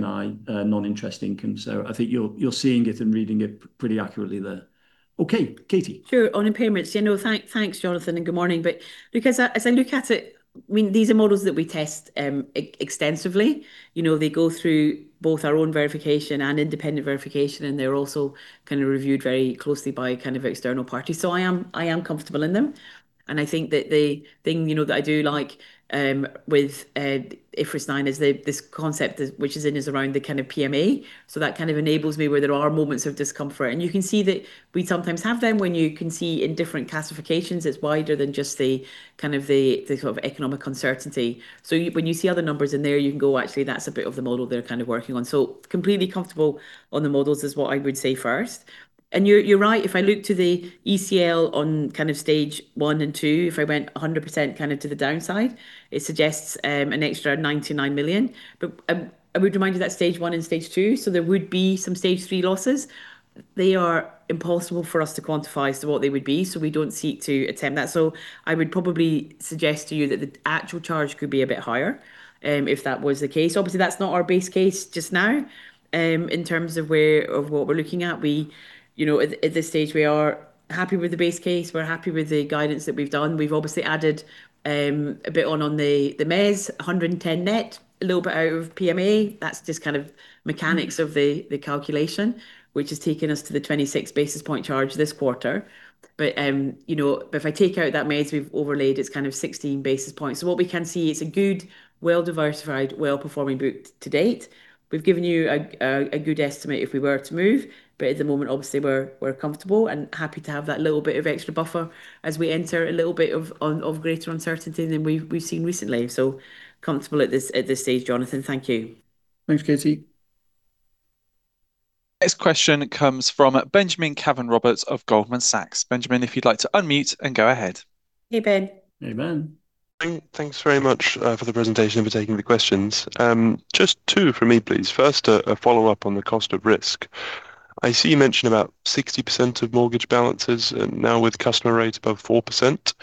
non-interest income. I think you're seeing it and reading it pretty accurately there. Okay, Katie. Sure. On impairments, thank Jonathan, and good morning. Because as I look at it, these are models that we test extensively. They go through both our own verification and independent verification, and they're also reviewed very closely by external parties. I am comfortable in them, and I think that the thing that I do like with IFRS 9 is this concept, which is around the PMA. That enables me where there are moments of discomfort. You can see that we sometimes have them when you can see in different classifications it's wider than just the economic uncertainty. When you see other numbers in there, you can go, actually, that's a bit of the model they're kind of working on. Completely comfortable on the models is what I would say first. You're right, if I look to the ECL on kind of stage 1 and 2, if I went 100% kind of to the downside, it suggests an extra 99 million. I would remind you that's stage 1 and stage 2, there would be some stage 3 losses. They are impossible for us to quantify as to what they would be, we don't seek to attempt that. I would probably suggest to you that the actual charge could be a bit higher if that was the case. Obviously, that's not our base case just now, in terms of where, of what we're looking at. We, you know, at this stage, we are happy with the base case. We're happy with the guidance that we've done. We've obviously added a bit on the MES, 110 net, a little bit out of PMA. That's just kind of mechanics of the calculation, which has taken us to the 26 basis point charge this quarter. You know, but if I take out that MES we've overlaid, it's kind of 16 basis points. What we can see, it's a good, well-diversified, well-performing book to date. We've given you a good estimate if we were to move. At the moment, obviously, we're comfortable and happy to have that little bit of extra buffer as we enter a little bit of greater uncertainty than we've seen recently. Comfortable at this stage, Jonathan. Thank you. Thanks, Katie. Next question comes from Benjamin Caven-Roberts of Goldman Sachs. Benjamin, if you'd like to unmute and go ahead. Hey, Ben. Hey, Ben. Thanks very much for the presentation and for taking the questions. Just two for me, please. First, a follow-up on the cost of risk. I see you mentioned about 60% of mortgage balances, and now with customer rates above 4%.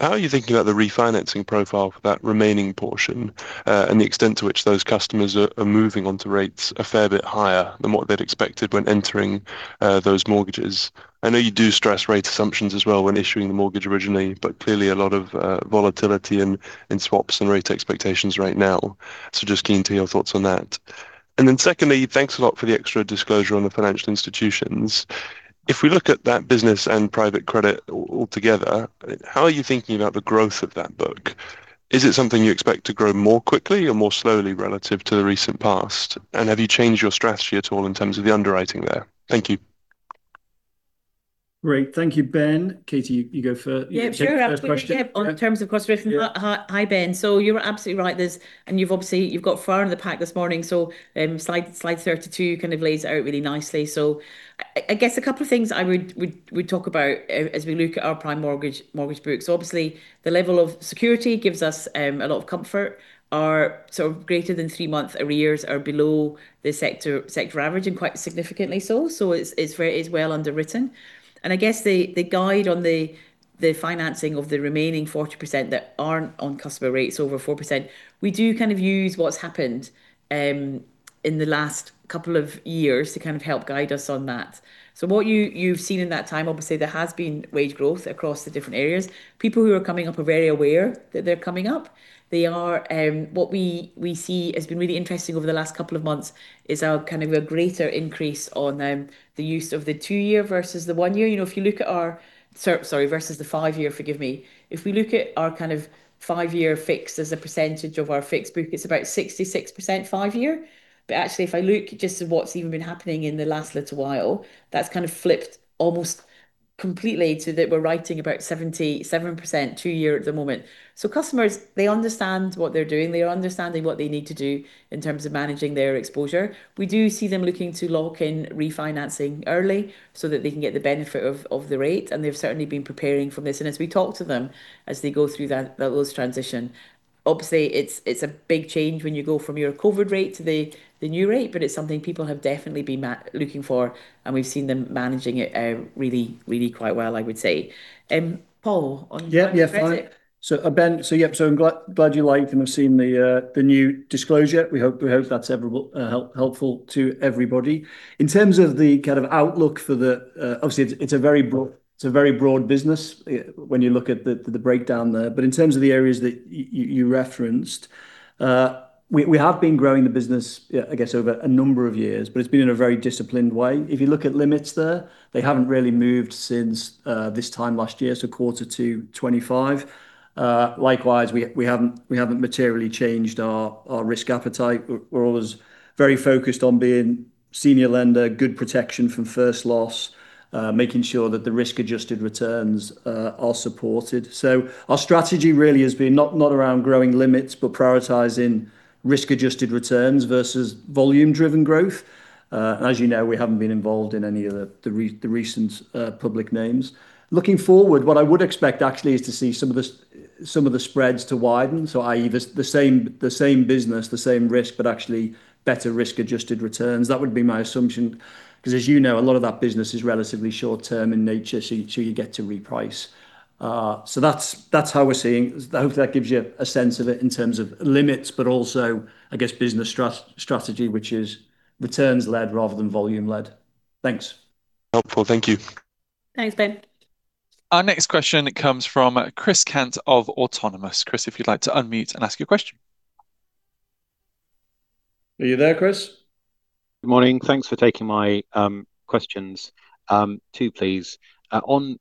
How are you thinking about the refinancing profile for that remaining portion, and the extent to which those customers are moving on to rates a fair bit higher than what they'd expected when entering those mortgages? I know you do stress rate assumptions as well when issuing the mortgage originally, but clearly a lot of volatility in swaps and rate expectations right now. Just keen to your thoughts on that. Secondly, thanks a lot for the extra disclosure on the financial institutions. If we look at that business and private credit altogether, how are you thinking about the growth of that book? Is it something you expect to grow more quickly or more slowly relative to the recent past? Have you changed your strategy at all in terms of the underwriting there? Thank you. Great. Thank you, Ben. Katie, you go. Yeah, sure. You take the first question. Yeah. On terms, of course, reference. Hi, Ben. You're absolutely right. You've obviously, you've got far in the pack this morning, slide 32 kind of lays it out really nicely. I guess a couple of things I would talk about as we look at our prime mortgage books, obviously the level of security gives us a lot of comfort. Our sort of greater than three month arrears are below the sector average and quite significantly so. It's very, it's well underwritten. I guess the guide on the financing of the remaining 40% that aren't on customer rates over 4%, we do kind of use what's happened in the last couple of years to kind of help guide us on that. What you've seen in that time, obviously there has been wage growth across the different areas. People who are coming up are very aware that they're coming up. They are. What we see has been really interesting over the last couple of months is our kind of a greater increase on the use of the two year versus the one year. You know, if you look at our versus the five year, forgive me. If we look at our kind of five year fixed as a percentage of our fixed book, it's about 66% five year. Actually if I look just at what's even been happening in the last little while, that's kind of flipped almost completely so that we're writing about 77% two year at the moment. Customers, they understand what they're doing. They are understanding what they need to do in terms of managing their exposure. We do see them looking to lock in refinancing early so that they can get the benefit of the rate, they've certainly been preparing for this. As we talk to them as they go through that, those transition, obviously it's a big change when you go from your COVID rate to the new rate, but it's something people have definitely been looking for, and we've seen them managing it really, really quite well, I would say. Paul. Yeah. Yeah, fine. Private credit. Ben, so yeah, I'm glad you liked and have seen the new disclosure. We hope that's ever helpful to everybody. In terms of the kind of outlook for the, obviously it's a very broad business, when you look at the breakdown there. In terms of the areas that you referenced, we have been growing the business, I guess over a number of years, but it's been in a very disciplined way. If you look at limits there, they haven't really moved since this time last year, so quarter to 2025. Likewise, we haven't materially changed our risk appetite. We're always very focused on being senior lender, good protection from first loss, making sure that the risk adjusted returns are supported. Our strategy really has been not around growing limits, but prioritizing risk adjusted returns versus volume driven growth. As you know, we haven't been involved in any of the recent public names. Looking forward, what I would expect actually is to see some of the spreads to widen, so i.e. the same business, the same risk, but actually better risk adjusted returns. That would be my assumption, 'cause as you know, a lot of that business is relatively short term in nature, so you get to reprice. That's how we're seeing. Hopefully that gives you a sense of it in terms of limits, but also I guess business strategy, which is returns led rather than volume led. Thanks. Helpful. Thank you. Thanks, Ben. Our next question comes from Chris Cant of Autonomous. Chris, if you'd like to unmute and ask your question. Are you there, Chris? Good morning. Thanks for taking my questions. Two please. On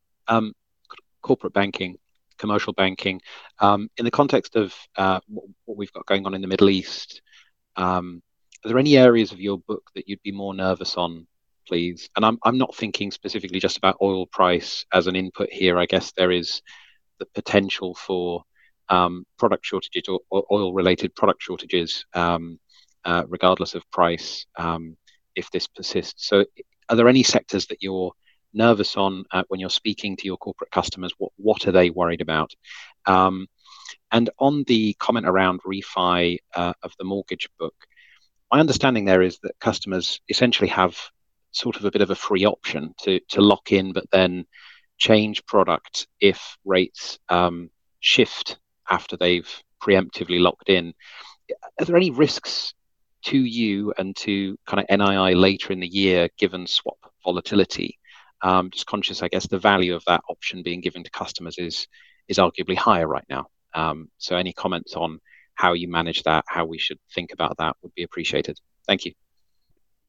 corporate banking, commercial banking, in the context of what we've got going on in the Middle East, are there any areas of your book that you'd be more nervous on, please? I'm not thinking specifically just about oil price as an input here. I guess there is the potential for product shortages or oil related product shortages, regardless of price, if this persists. Are there any sectors that you're nervous on, when you're speaking to your corporate customers, what are they worried about? On the comment around refi of the mortgage book, my understanding there is that customers essentially have sort of a bit of a free option to lock in, but then change product if rates shift after they've preemptively locked in. Are there any risks to you and to kind of NII later in the year given swap volatility? I'm just conscious, I guess, the value of that option being given to customers is arguably higher right now. Any comments on how you manage that, how we should think about that would be appreciated. Thank you.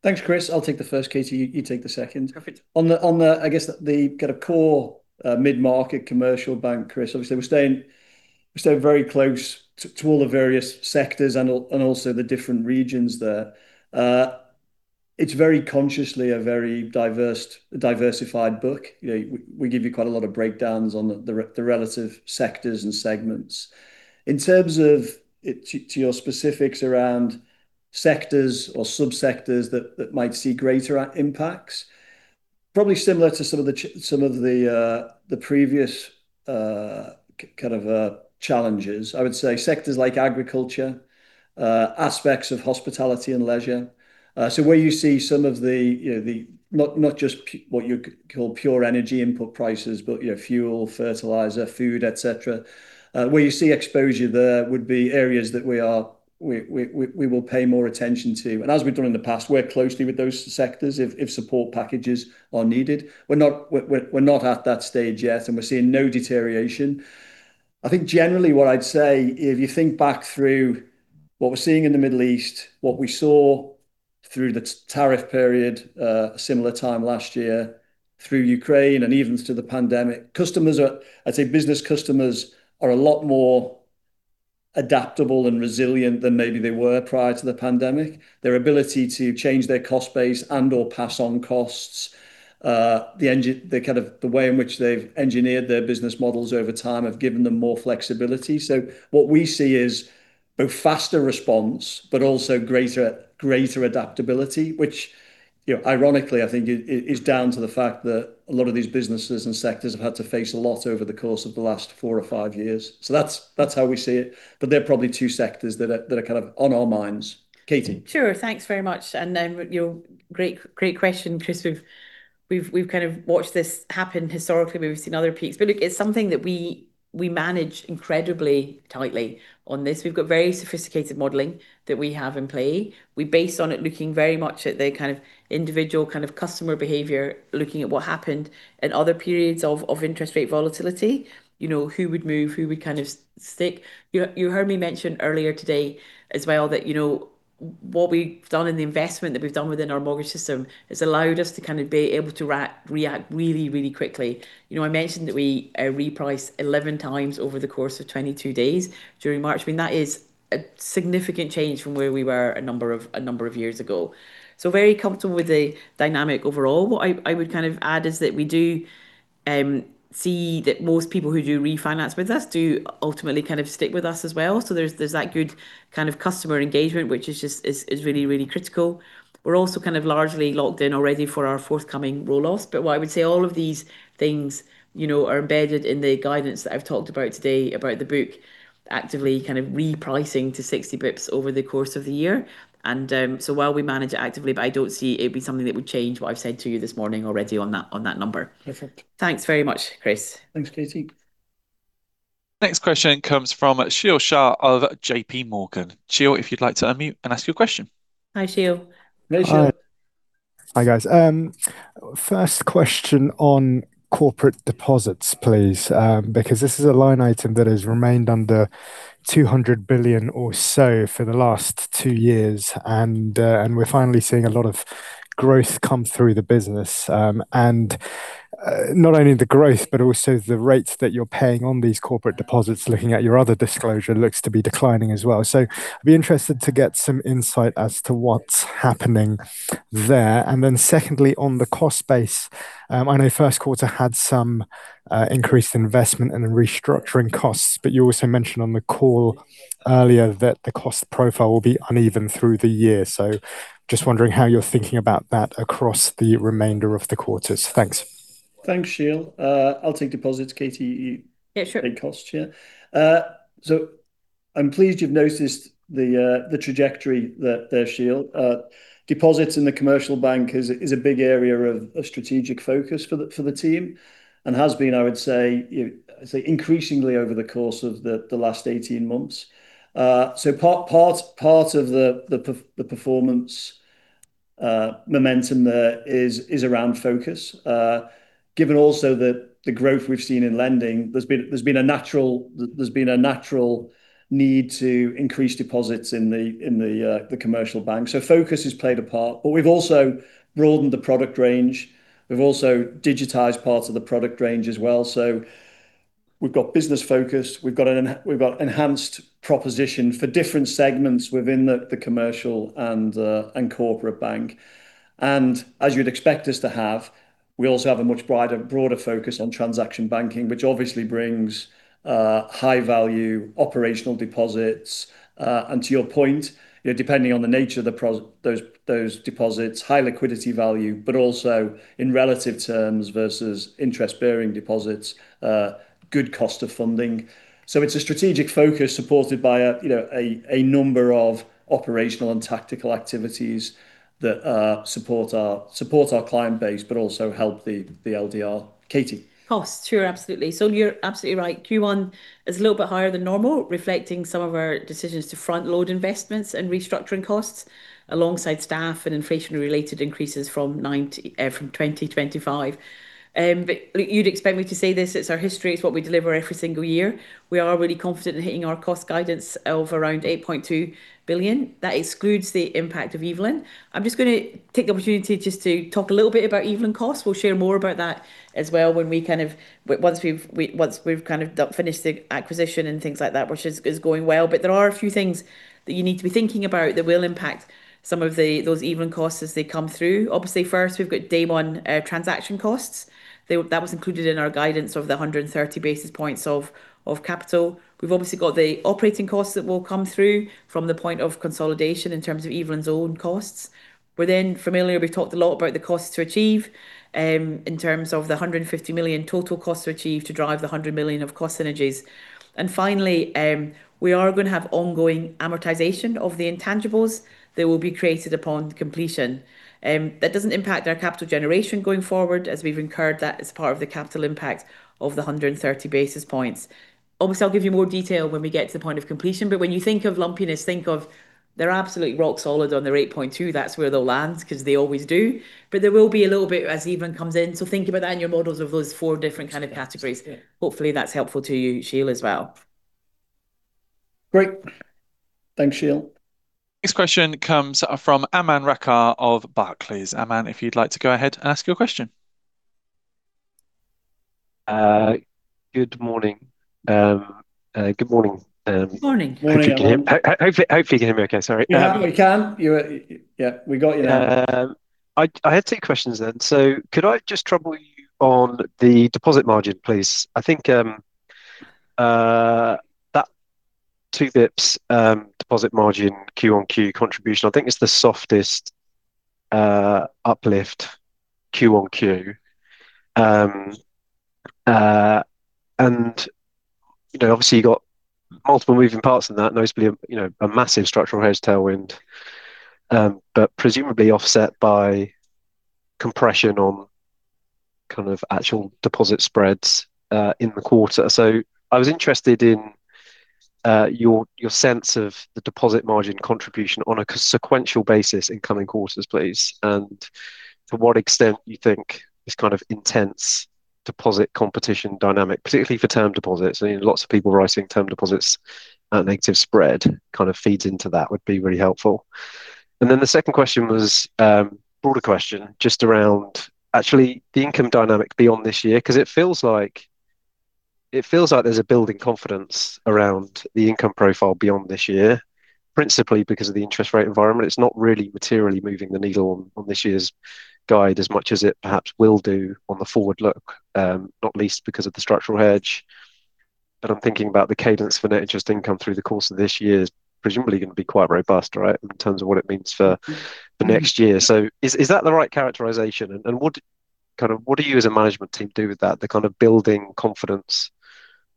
Thanks, Chris. I'll take the first. Katie, you take the second. Perfect. On the, I guess the kind of core mid-market commercial bank, Chris, obviously we're staying very close to all the various sectors and also the different regions there. It's very consciously a very diversified book. You know, we give you quite a lot of breakdowns on the relative sectors and segments. In terms of it, to your specifics around sectors or sub-sectors that might see greater impacts, probably similar to some of the previous kind of challenges, I would say sectors like agriculture, aspects of hospitality and leisure. Where you see some of the, you know, the not just what you call pure energy input prices, but, you know, fuel, fertilizer, food, et cetera, where you see exposure there would be areas that we will pay more attention to. As we've done in the past, work closely with those sectors if support packages are needed. We're not at that stage yet, and we're seeing no deterioration. I think generally what I'd say, if you think back through what we're seeing in the Middle East, what we saw through the tariff period, a similar time last year through Ukraine and even through the pandemic, customers are, I'd say business customers are a lot more adaptable and resilient than maybe they were prior to the pandemic. Their ability to change their cost base and/or pass on costs, the kind of the way in which they've engineered their business models over time have given them more flexibility. What we see is both faster response, but also greater adaptability, which, you know, ironically, I think it is down to the fact that a lot of these businesses and sectors have had to face a lot over the course of the last four or five years. That's how we see it. They're probably two sectors that are kind of on our minds. Katie. Sure. Thanks very much. You know, great question, Chris. We've kind of watched this happen historically, we've seen other peaks. Look, it's something that we manage incredibly tightly on this. We've got very sophisticated modeling that we have in play. We base on it looking very much at the kind of individual kind of customer behavior, looking at what happened in other periods of interest rate volatility, you know, who would move, who would kind of stick. You heard me mention earlier today as well that, you know, what we've done and the investment that we've done within our mortgage system has allowed us to kind of be able to react really, really quickly. You know, I mentioned that we reprice 11 times over the course of 22 days during March. I mean, that is a significant change from where we were a number of years ago. Very comfortable with the dynamic overall. What I would kind of add is that we do see that most people who do refinance with us do ultimately kind of stick with us as well. There's that good kind of customer engagement, which is just is really, really critical. We're also kind of largely locked in already for our forthcoming roll-offs. What I would say, all of these things, you know, are embedded in the guidance that I've talked about today about the book actively kind of repricing to 60 basis points over the course of the year. While we manage it actively, I don't see it being something that would change what I've said to you this morning already on that, on that number. Perfect. Thanks very much, Chris. Thanks, Katie. Next question comes from Sheel Shah of JPMorgan. Sheel, if you'd like to unmute and ask your question. Hi, Sheel. Hey, Sheel. Hi. Hi, guys. First question on corporate deposits, please, because this is a line item that has remained under 200 billion or so for the last two years, and we're finally seeing a lot of growth come through the business. Not only the growth, but also the rates that you're paying on these corporate deposits, looking at your other disclosure, looks to be declining as well. I'd be interested to get some insight as to what's happening there. Secondly, on the cost base, I know first quarter had some increased investment and restructuring costs, but you also mentioned on the call earlier that the cost profile will be uneven through the year. Just wondering how you're thinking about that across the remainder of the quarters. Thanks. Thanks, Sheel. I'll take deposits, Katie. Yeah, sure. Take costs. Yeah. I'm pleased you've noticed the trajectory there, Sheel. Deposits in the commercial bank is a big area of strategic focus for the team and has been, I would say, you know, increasingly over the course of the last 18 months. Part of the performance momentum there is around focus. Given also the growth we've seen in lending, there's been a natural need to increase deposits in the commercial bank. Focus has played a part, but we've also broadened the product range. We've also digitized parts of the product range as well. We've got business focus, we've got enhanced proposition for different segments within the commercial and corporate bank. As you'd expect us to have, we also have a much brighter, broader focus on transaction banking, which obviously brings high value operational deposits. To your point, you know, depending on the nature of those deposits, high liquidity value, but also in relative terms versus interest-bearing deposits, good cost of funding. It's a strategic focus supported by, you know, a number of operational and tactical activities that support our client base, but also help the LDR. Katie. Costs. Sure. Absolutely. You're absolutely right. Q1 is a little bit higher than normal, reflecting some of our decisions to front load investments and restructuring costs alongside staff and inflation-related increases from 2025. You'd expect me to say this, it's our history, it's what we deliver every single year. We are really confident in hitting our cost guidance of around 8.2 billion. That excludes the impact of Evelyn. I'm just gonna take the opportunity just to talk a little bit about Evelyn costs. We'll share more about that as well Once we've finished the acquisition and things like that, which is going well. There are a few things that you need to be thinking about that will impact some of those Evelyn costs as they come through. Obviously, first, we've got day one transaction costs. That was included in our guidance of the 130 basis points of capital. We've obviously got the operating costs that will come through from the point of consolidation in terms of Evelyn's own costs. We're then familiar, we've talked a lot about the costs to achieve in terms of the 150 million total costs to achieve to drive the 100 million of cost synergies. Finally, we are gonna have ongoing amortization of the intangibles that will be created upon completion. That doesn't impact our capital generation going forward as we've incurred that as part of the capital impact of the 130 basis points. Obviously, I'll give you more detail when we get to the point of completion, but when you think of lumpiness, they're absolutely rock solid on their 8.2. That's where they'll land, 'cause they always do. There will be a little bit as Evelyn comes in. Think about that in your models of those four different kind of categories. Yeah. Hopefully, that's helpful to you, Sheel Shah, as well. Great. Thanks, Sheel. Next question comes from Aman Rakkar of Barclays. Aman, if you'd like to go ahead, ask your question. Good morning. Good Morning. Morning. Hopefully you can hear me okay. Sorry. We can. Yeah, we got you now. I had two questions. Could I just trouble you on the deposit margin, please? I think that two pips deposit margin Q on Q contribution, I think it's the softest uplift Q on Q. You know, obviously you've got multiple moving parts in that, notably a, you know, a massive structural hedge tailwind. Presumably offset by compression on kind of actual deposit spreads in the quarter. I was interested in your sense of the deposit margin contribution on a sequential basis in coming quarters, please, and to what extent you think this kind of intense deposit competition dynamic, particularly for term deposits. I mean, lots of people raising term deposits at negative spread kind of feeds into that would be really helpful. The second question was, broader question just around actually the income dynamic beyond this year, 'cause it feels like there's a building confidence around the income profile beyond this year, principally because of the interest rate environment. It's not really materially moving the needle on this year's guide as much as it perhaps will do on the forward look, not least because of the structural hedge. I'm thinking about the cadence for net interest income through the course of this year is presumably gonna be quite robust, right, in terms of what it means for the next year. Is that the right characterization? What do you as a management team do with that, the kind of building confidence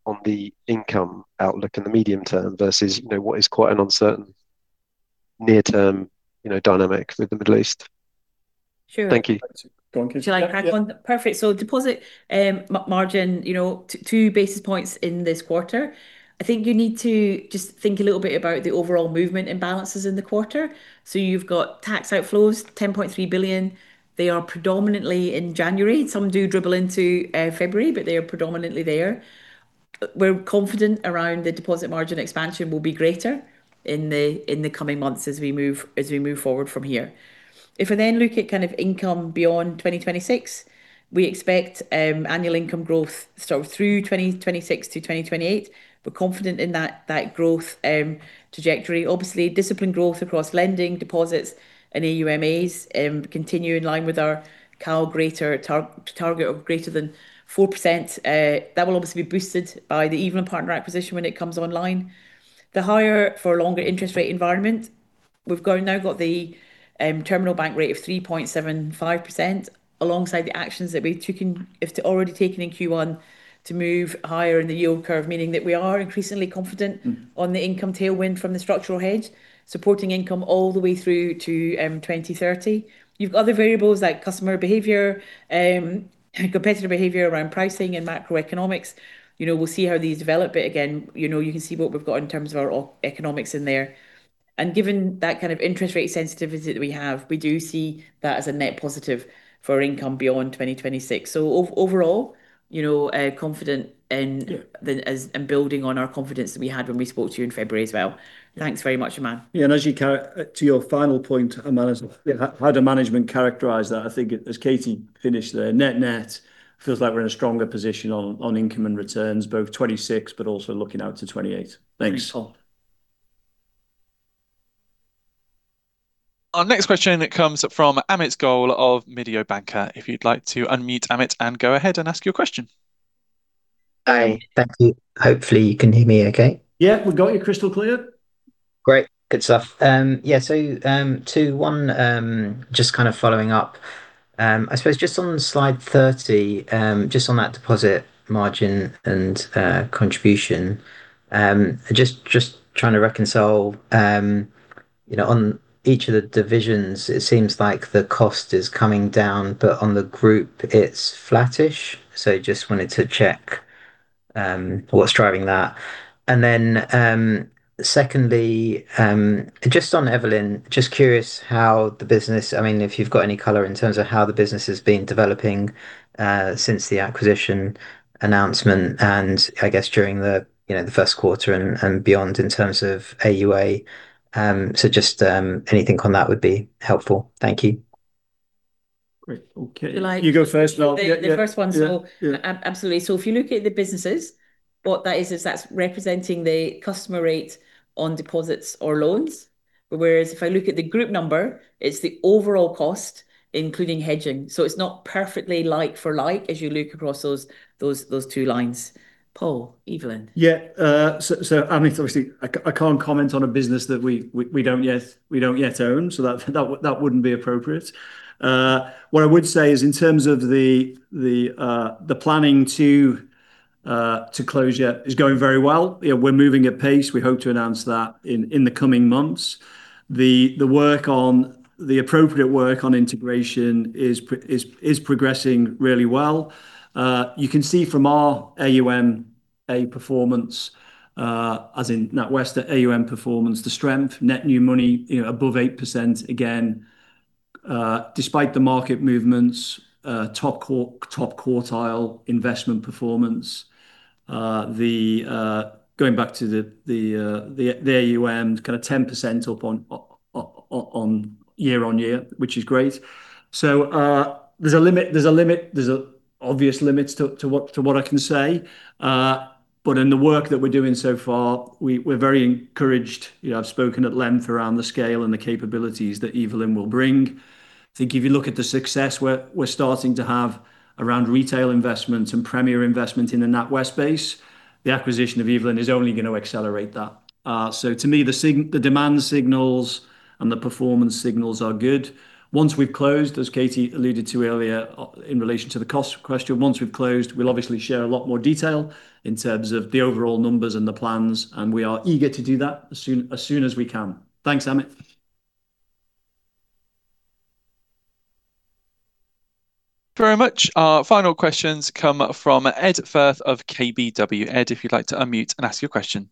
on the income outlook in the medium term versus, you know, what is quite an uncertain near term, you know, dynamic with the Middle East? Sure. Thank you. Go on, Katie. Shall I add one? Perfect. Deposit margin, you know, 2 basis points in this quarter. I think you need to just think a little bit about the overall movement imbalances in the quarter. You've got tax outflows, 10.3 billion. They are predominantly in January. Some do dribble into February, but they are predominantly there. We're confident around the deposit margin expansion will be greater in the coming months as we move forward from here. If we then look at income beyond 2026, we expect annual income growth sort of through 2026 to 2028. We're confident in that growth trajectory. Obviously, disciplined growth across lending deposits and AUMAs continue in line with our CAL greater target of greater than 4%. That will obviously be boosted by the Evelyn Partners acquisition when it comes online. The higher for a longer interest rate environment, we've got now got the terminal bank rate of 3.75% alongside the actions that we've taken, have already taken in Q1 to move higher in the yield curve, meaning that we are increasingly confident on the income tailwind from the structural hedge, supporting income all the way through to 2030. You've other variables like customer behavior, competitive behavior around pricing and macroeconomics. You know, we'll see how these develop, but again, you know, you can see what we've got in terms of our economics in there. Given that kind of interest rate sensitivity that we have, we do see that as a net positive for income beyond 2026. Overall, you know, confident. Yeah. .The, as, and building on our confidence that we had when we spoke to you in February as well. Thanks very much, Aman. Yeah. To your final point, Aman, as, you know, how the management characterize that, I think as Katie finished there, net, feels like we're in a stronger position on income and returns, both 2026, but also looking out to 2028. Thanks. Thanks, Paul. Our next question that comes from Amit Goel of Mediobanca. If you'd like to unmute, Amit, and go ahead and ask your question. Hi. Thank you. Hopefully, you can hear me okay. Yeah. We've got you crystal clear. Great. Good stuff. Yeah. One, just kind of following up. I suppose just on slide 30, just on that deposit margin and contribution, just trying to reconcile, you know, on each of the divisions, it seems like the cost is coming down, but on the group it's flattish. Just wanted to check what's driving that. Secondly, just on Evelyn, just curious, I mean, if you've got any color in terms of how the business has been developing since the acquisition announcement and, I guess, during the, you know, the first quarter and beyond in terms of AUA. Anything on that would be helpful. Thank you. Great. Okay. Would you like. You go first and I'll. Yeah, yeah. The first one. Yeah. Absolutely. If you look at the businesses, what that is that's representing the customer rate on deposits or loans. Whereas if I look at the group number, it's the overall cost, including hedging. It's not perfectly like for like, as you look across those two lines. Paul, Evelyn. Yeah. Amit, obviously, I can't comment on a business that we don't yet own, so that wouldn't be appropriate. What I would say is in terms of the planning to close yet is going very well. You know, we're moving at pace. We hope to announce that in the coming months. The work on, the appropriate work on integration is progressing really well. You can see from our AUMA performance, as in NatWest, the AUM performance, the strength, net new money, you know, above 8%, again, despite the market movements, top quartile investment performance. Going back to the AUM, kind of 10% up on year on year, which is great. There's a limit, there's a obvious limits to what I can say. In the work that we're doing so far, we're very encouraged. You know, I've spoken at length around the scale and the capabilities that Evelyn will bring. I think if you look at the success we're starting to have around retail investment and premier investment in the NatWest base, the acquisition of Evelyn is only gonna accelerate that. To me, the demand signals and the performance signals are good. Once we've closed, as Katie alluded to earlier, in relation to the cost question, once we've closed, we'll obviously share a lot more detail in terms of the overall numbers and the plans, and we are eager to do that as soon as we can. Thanks, Amit. Thank you very much. Our final questions come from Ed Firth of KBW. Ed, if you'd like to unmute and ask your question.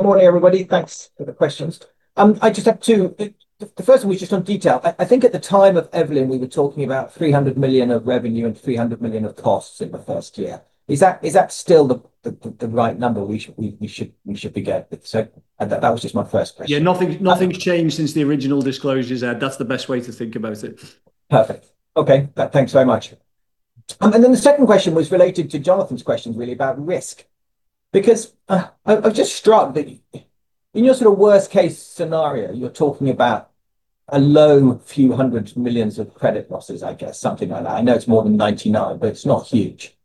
Good morning, everybody. Thanks for the questions. I just have two. The first one was just on detail. I think at the time of Evelyn, we were talking about 300 million of revenue and 300 million of costs in the first year. Is that still the right number we should be getting? That was just my first question. Yeah. Nothing's changed since the original disclosures, Ed. That's the best way to think about it. Perfect. Okay. Thanks so much. Then the second question was related to Jonathan's question, really, about risk. I'm just struck that in your sort of worst case scenario, you're talking about a GBP low few hundred million of credit losses, I guess, something like that. I know it's more than 99, it's not huge.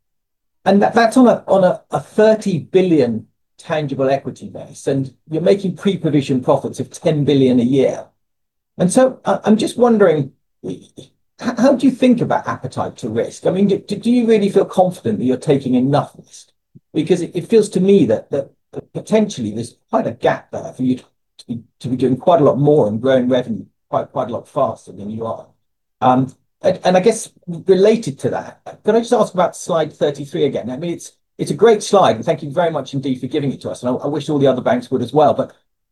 That's on a 30 billion tangible equity base, you're making pre-provision profits of 10 billion a year. I'm just wondering, how do you think about appetite to risk? I mean, do you really feel confident that you're taking enough risk? It feels to me that potentially there's quite a gap there for you to be doing quite a lot more and growing revenue quite a lot faster than you are. I guess related to that, can I just ask about slide 33 again? I mean, it's a great slide, and thank you very much indeed for giving it to us, and I wish all the other banks would as well.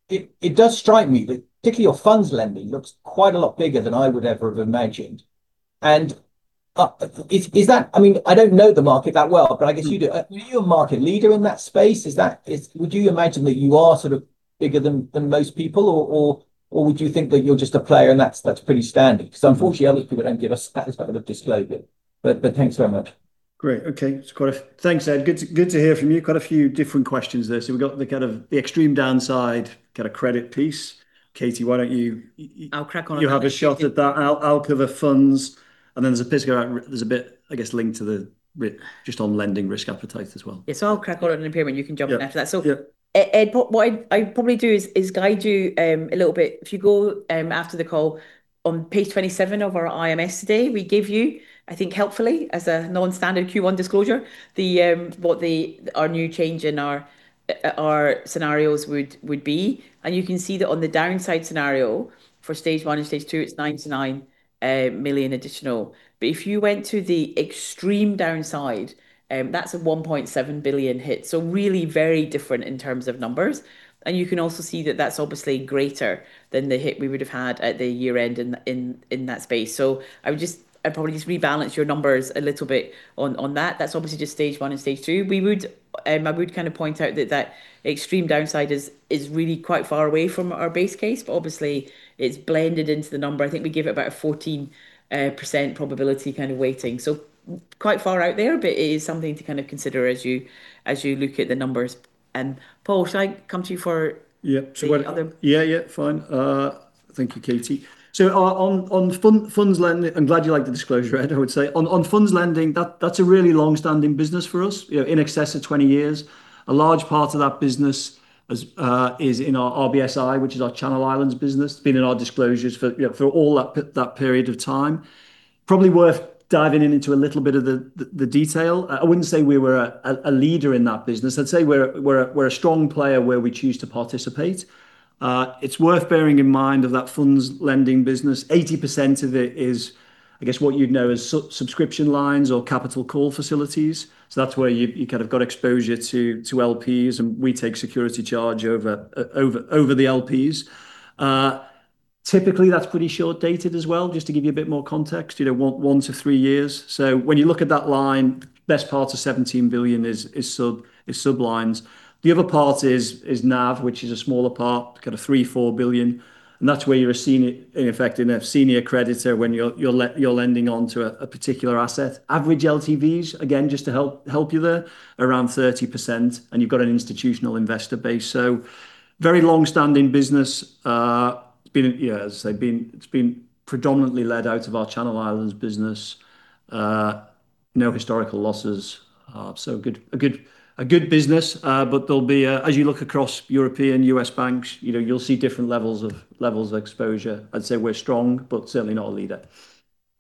It does strike me that particularly your funds lending looks quite a lot bigger than I would ever have imagined. I mean, I don't know the market that well, but I guess you do. Are you a market leader in that space? Would you imagine that you are sort of bigger than most people, or would you think that you're just a player and that's pretty standard? Unfortunately, other people don't give us that sort of disclosure. Thanks very much. Great. Okay. Thanks, Ed. Good to hear from you. Quite a few different questions there. We've got the kind of the extreme downside, kind of credit piece. Katie, why don't you. I'll crack on. You have a shot at that. I'll cover funds, and then there's a bit, I guess, linked to just on lending risk appetite as well. Yeah, I'll crack on on impairment. You can jump in after that. Yeah. Yeah. Ed, what I'd probably do is guide you a little bit. If you go after the call on page 27 of our IMS today, we give you, I think helpfully, as a non-standard Q1 disclosure, what our new change in our scenarios would be. You can see that on the downside scenario for stage 1 and stage 2, it's 99 million additional. If you went to the extreme downside, that's a 2.7 billion hit, really very different in terms of numbers. You can also see that that's obviously greater than the hit we would have had at the year end in that space. I'd probably just rebalance your numbers a little bit on that. That's obviously just stage 1 and stage 2. We would, I would kind of point out that that extreme downside is really quite far away from our base case. Obviously, it's blended into the number. I think we give it about a 14% probability kind of weighting. Quite far out there, but it is something to kind of consider as you look at the numbers. Paul, shall I come to you? Yeah the other one? Thank you, Katie. On funds lending, I'm glad you like the disclosure, Ed, I would say. On funds lending, that's a really long-standing business for us, you know, in excess of 20 years. A large part of that business is in our RBSI, which is our Channel Islands business. Been in our disclosures for, you know, for all that period of time. Probably worth diving into a little bit of the detail. I wouldn't say we were a leader in that business. I'd say we're a strong player where we choose to participate. It's worth bearing in mind of that funds lending business, 80% of it is, I guess, what you'd know as subscription lines or capital call facilities. That's where you kind of got exposure to LPs, and we take security charge over the LPs. Typically, that's pretty short-dated as well, just to give you a bit more context, you know, one to three years. When you look at that line, best part of 17 billion is sub lines. The other part is NAV, which is a smaller part, kind of 3 billion-4 billion, and that's where you're a senior, in effect, a senior creditor when you're lending onto a particular asset. Average LTVs, again, just to help you there, around 30%, and you've got an institutional investor base. Very long-standing business. It's been predominantly led out of our Channel Islands business. No historical losses. A good business. There'll be as you look across European, U.S. banks, you know, you'll see different levels of exposure. I'd say we're strong, but certainly not a leader.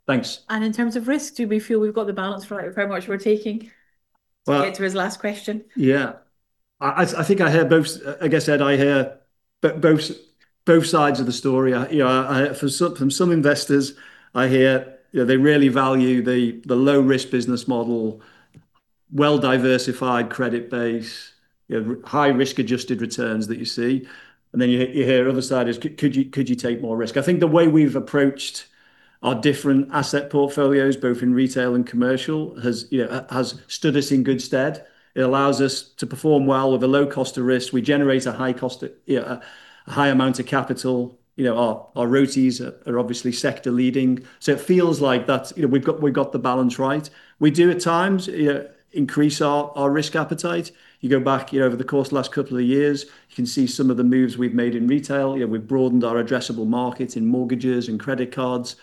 Thanks. In terms of risk, do we feel we've got the balance right with how much we're taking? Well. To get to his last question. Yeah, I think I hear both, I guess, Ed, I hear both sides of the story. I, you know, from some investors I hear, you know, they really value the low-risk business model, well-diversified credit base, you know, high risk-adjusted returns that you see, and then you hear other side is could you take more risk? I think the way we've approached our different asset portfolios, both in retail and commercial, has, you know, has stood us in good stead. It allows us to perform well with a low cost of risk. We generate a high cost of, you know, a high amount of capital. You know, our RoTEs are obviously sector leading. It feels like that's, you know, we've got the balance right. We do at times, you know, increase our risk appetite. You go back, you know, over the course of the last couple of years, you can see some of the moves we've made in retail. You know, we've broadened our addressable market in mortgages and credit cards.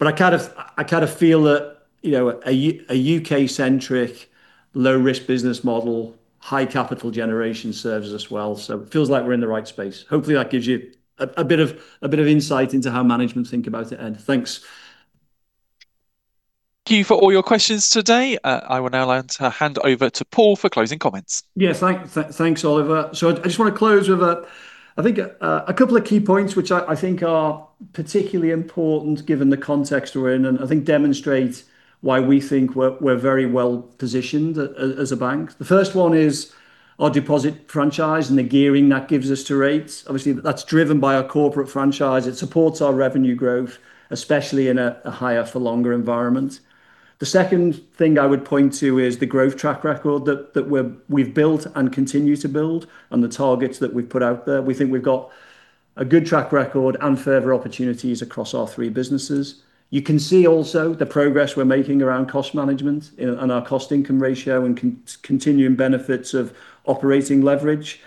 I kind of feel that, you know, a U.K.-centric, low-risk business model, high capital generation serves us well, so it feels like we're in the right space. Hopefully, that gives you a bit of insight into how management think about it, Ed. Thanks. Thank you for all your questions today. I will now like to hand over to Paul Thwaite for closing comments. Yes. Thanks, Oliver. I just wanna close with a, I think, a couple of key points, which I think are particularly important given the context we're in, and I think demonstrate why we think we're very well-positioned as a bank. The first one is our deposit franchise and the gearing that gives us to rates. Obviously, that's driven by our corporate franchise. It supports our revenue growth, especially in a higher-for-longer environment. The second thing I would point to is the growth track record that we've built and continue to build, and the targets that we've put out there. We think we've got a good track record and further opportunities across our three businesses. You can see also the progress we're making around cost management and our cost income ratio and continuing benefits of operating leverage.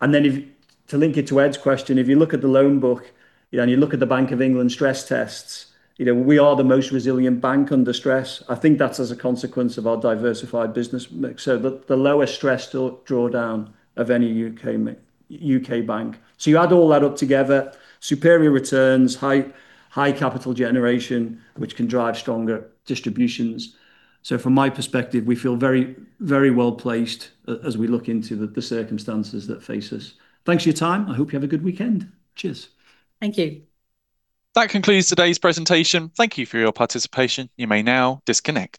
To link it to Ed's question, if you look at the loan book, you know, and you look at the Bank of England stress tests, you know, we are the most resilient bank under stress. I think that's as a consequence of our diversified business mix. The lowest stress to draw down of any U.K. bank. You add all that up together, superior returns, high capital generation, which can drive stronger distributions. From my perspective, we feel very well-placed as we look into the circumstances that face us. Thanks for your time. I hope you have a good weekend. Cheers. Thank you. That concludes today's presentation. Thank you for your participation. You may now disconnect.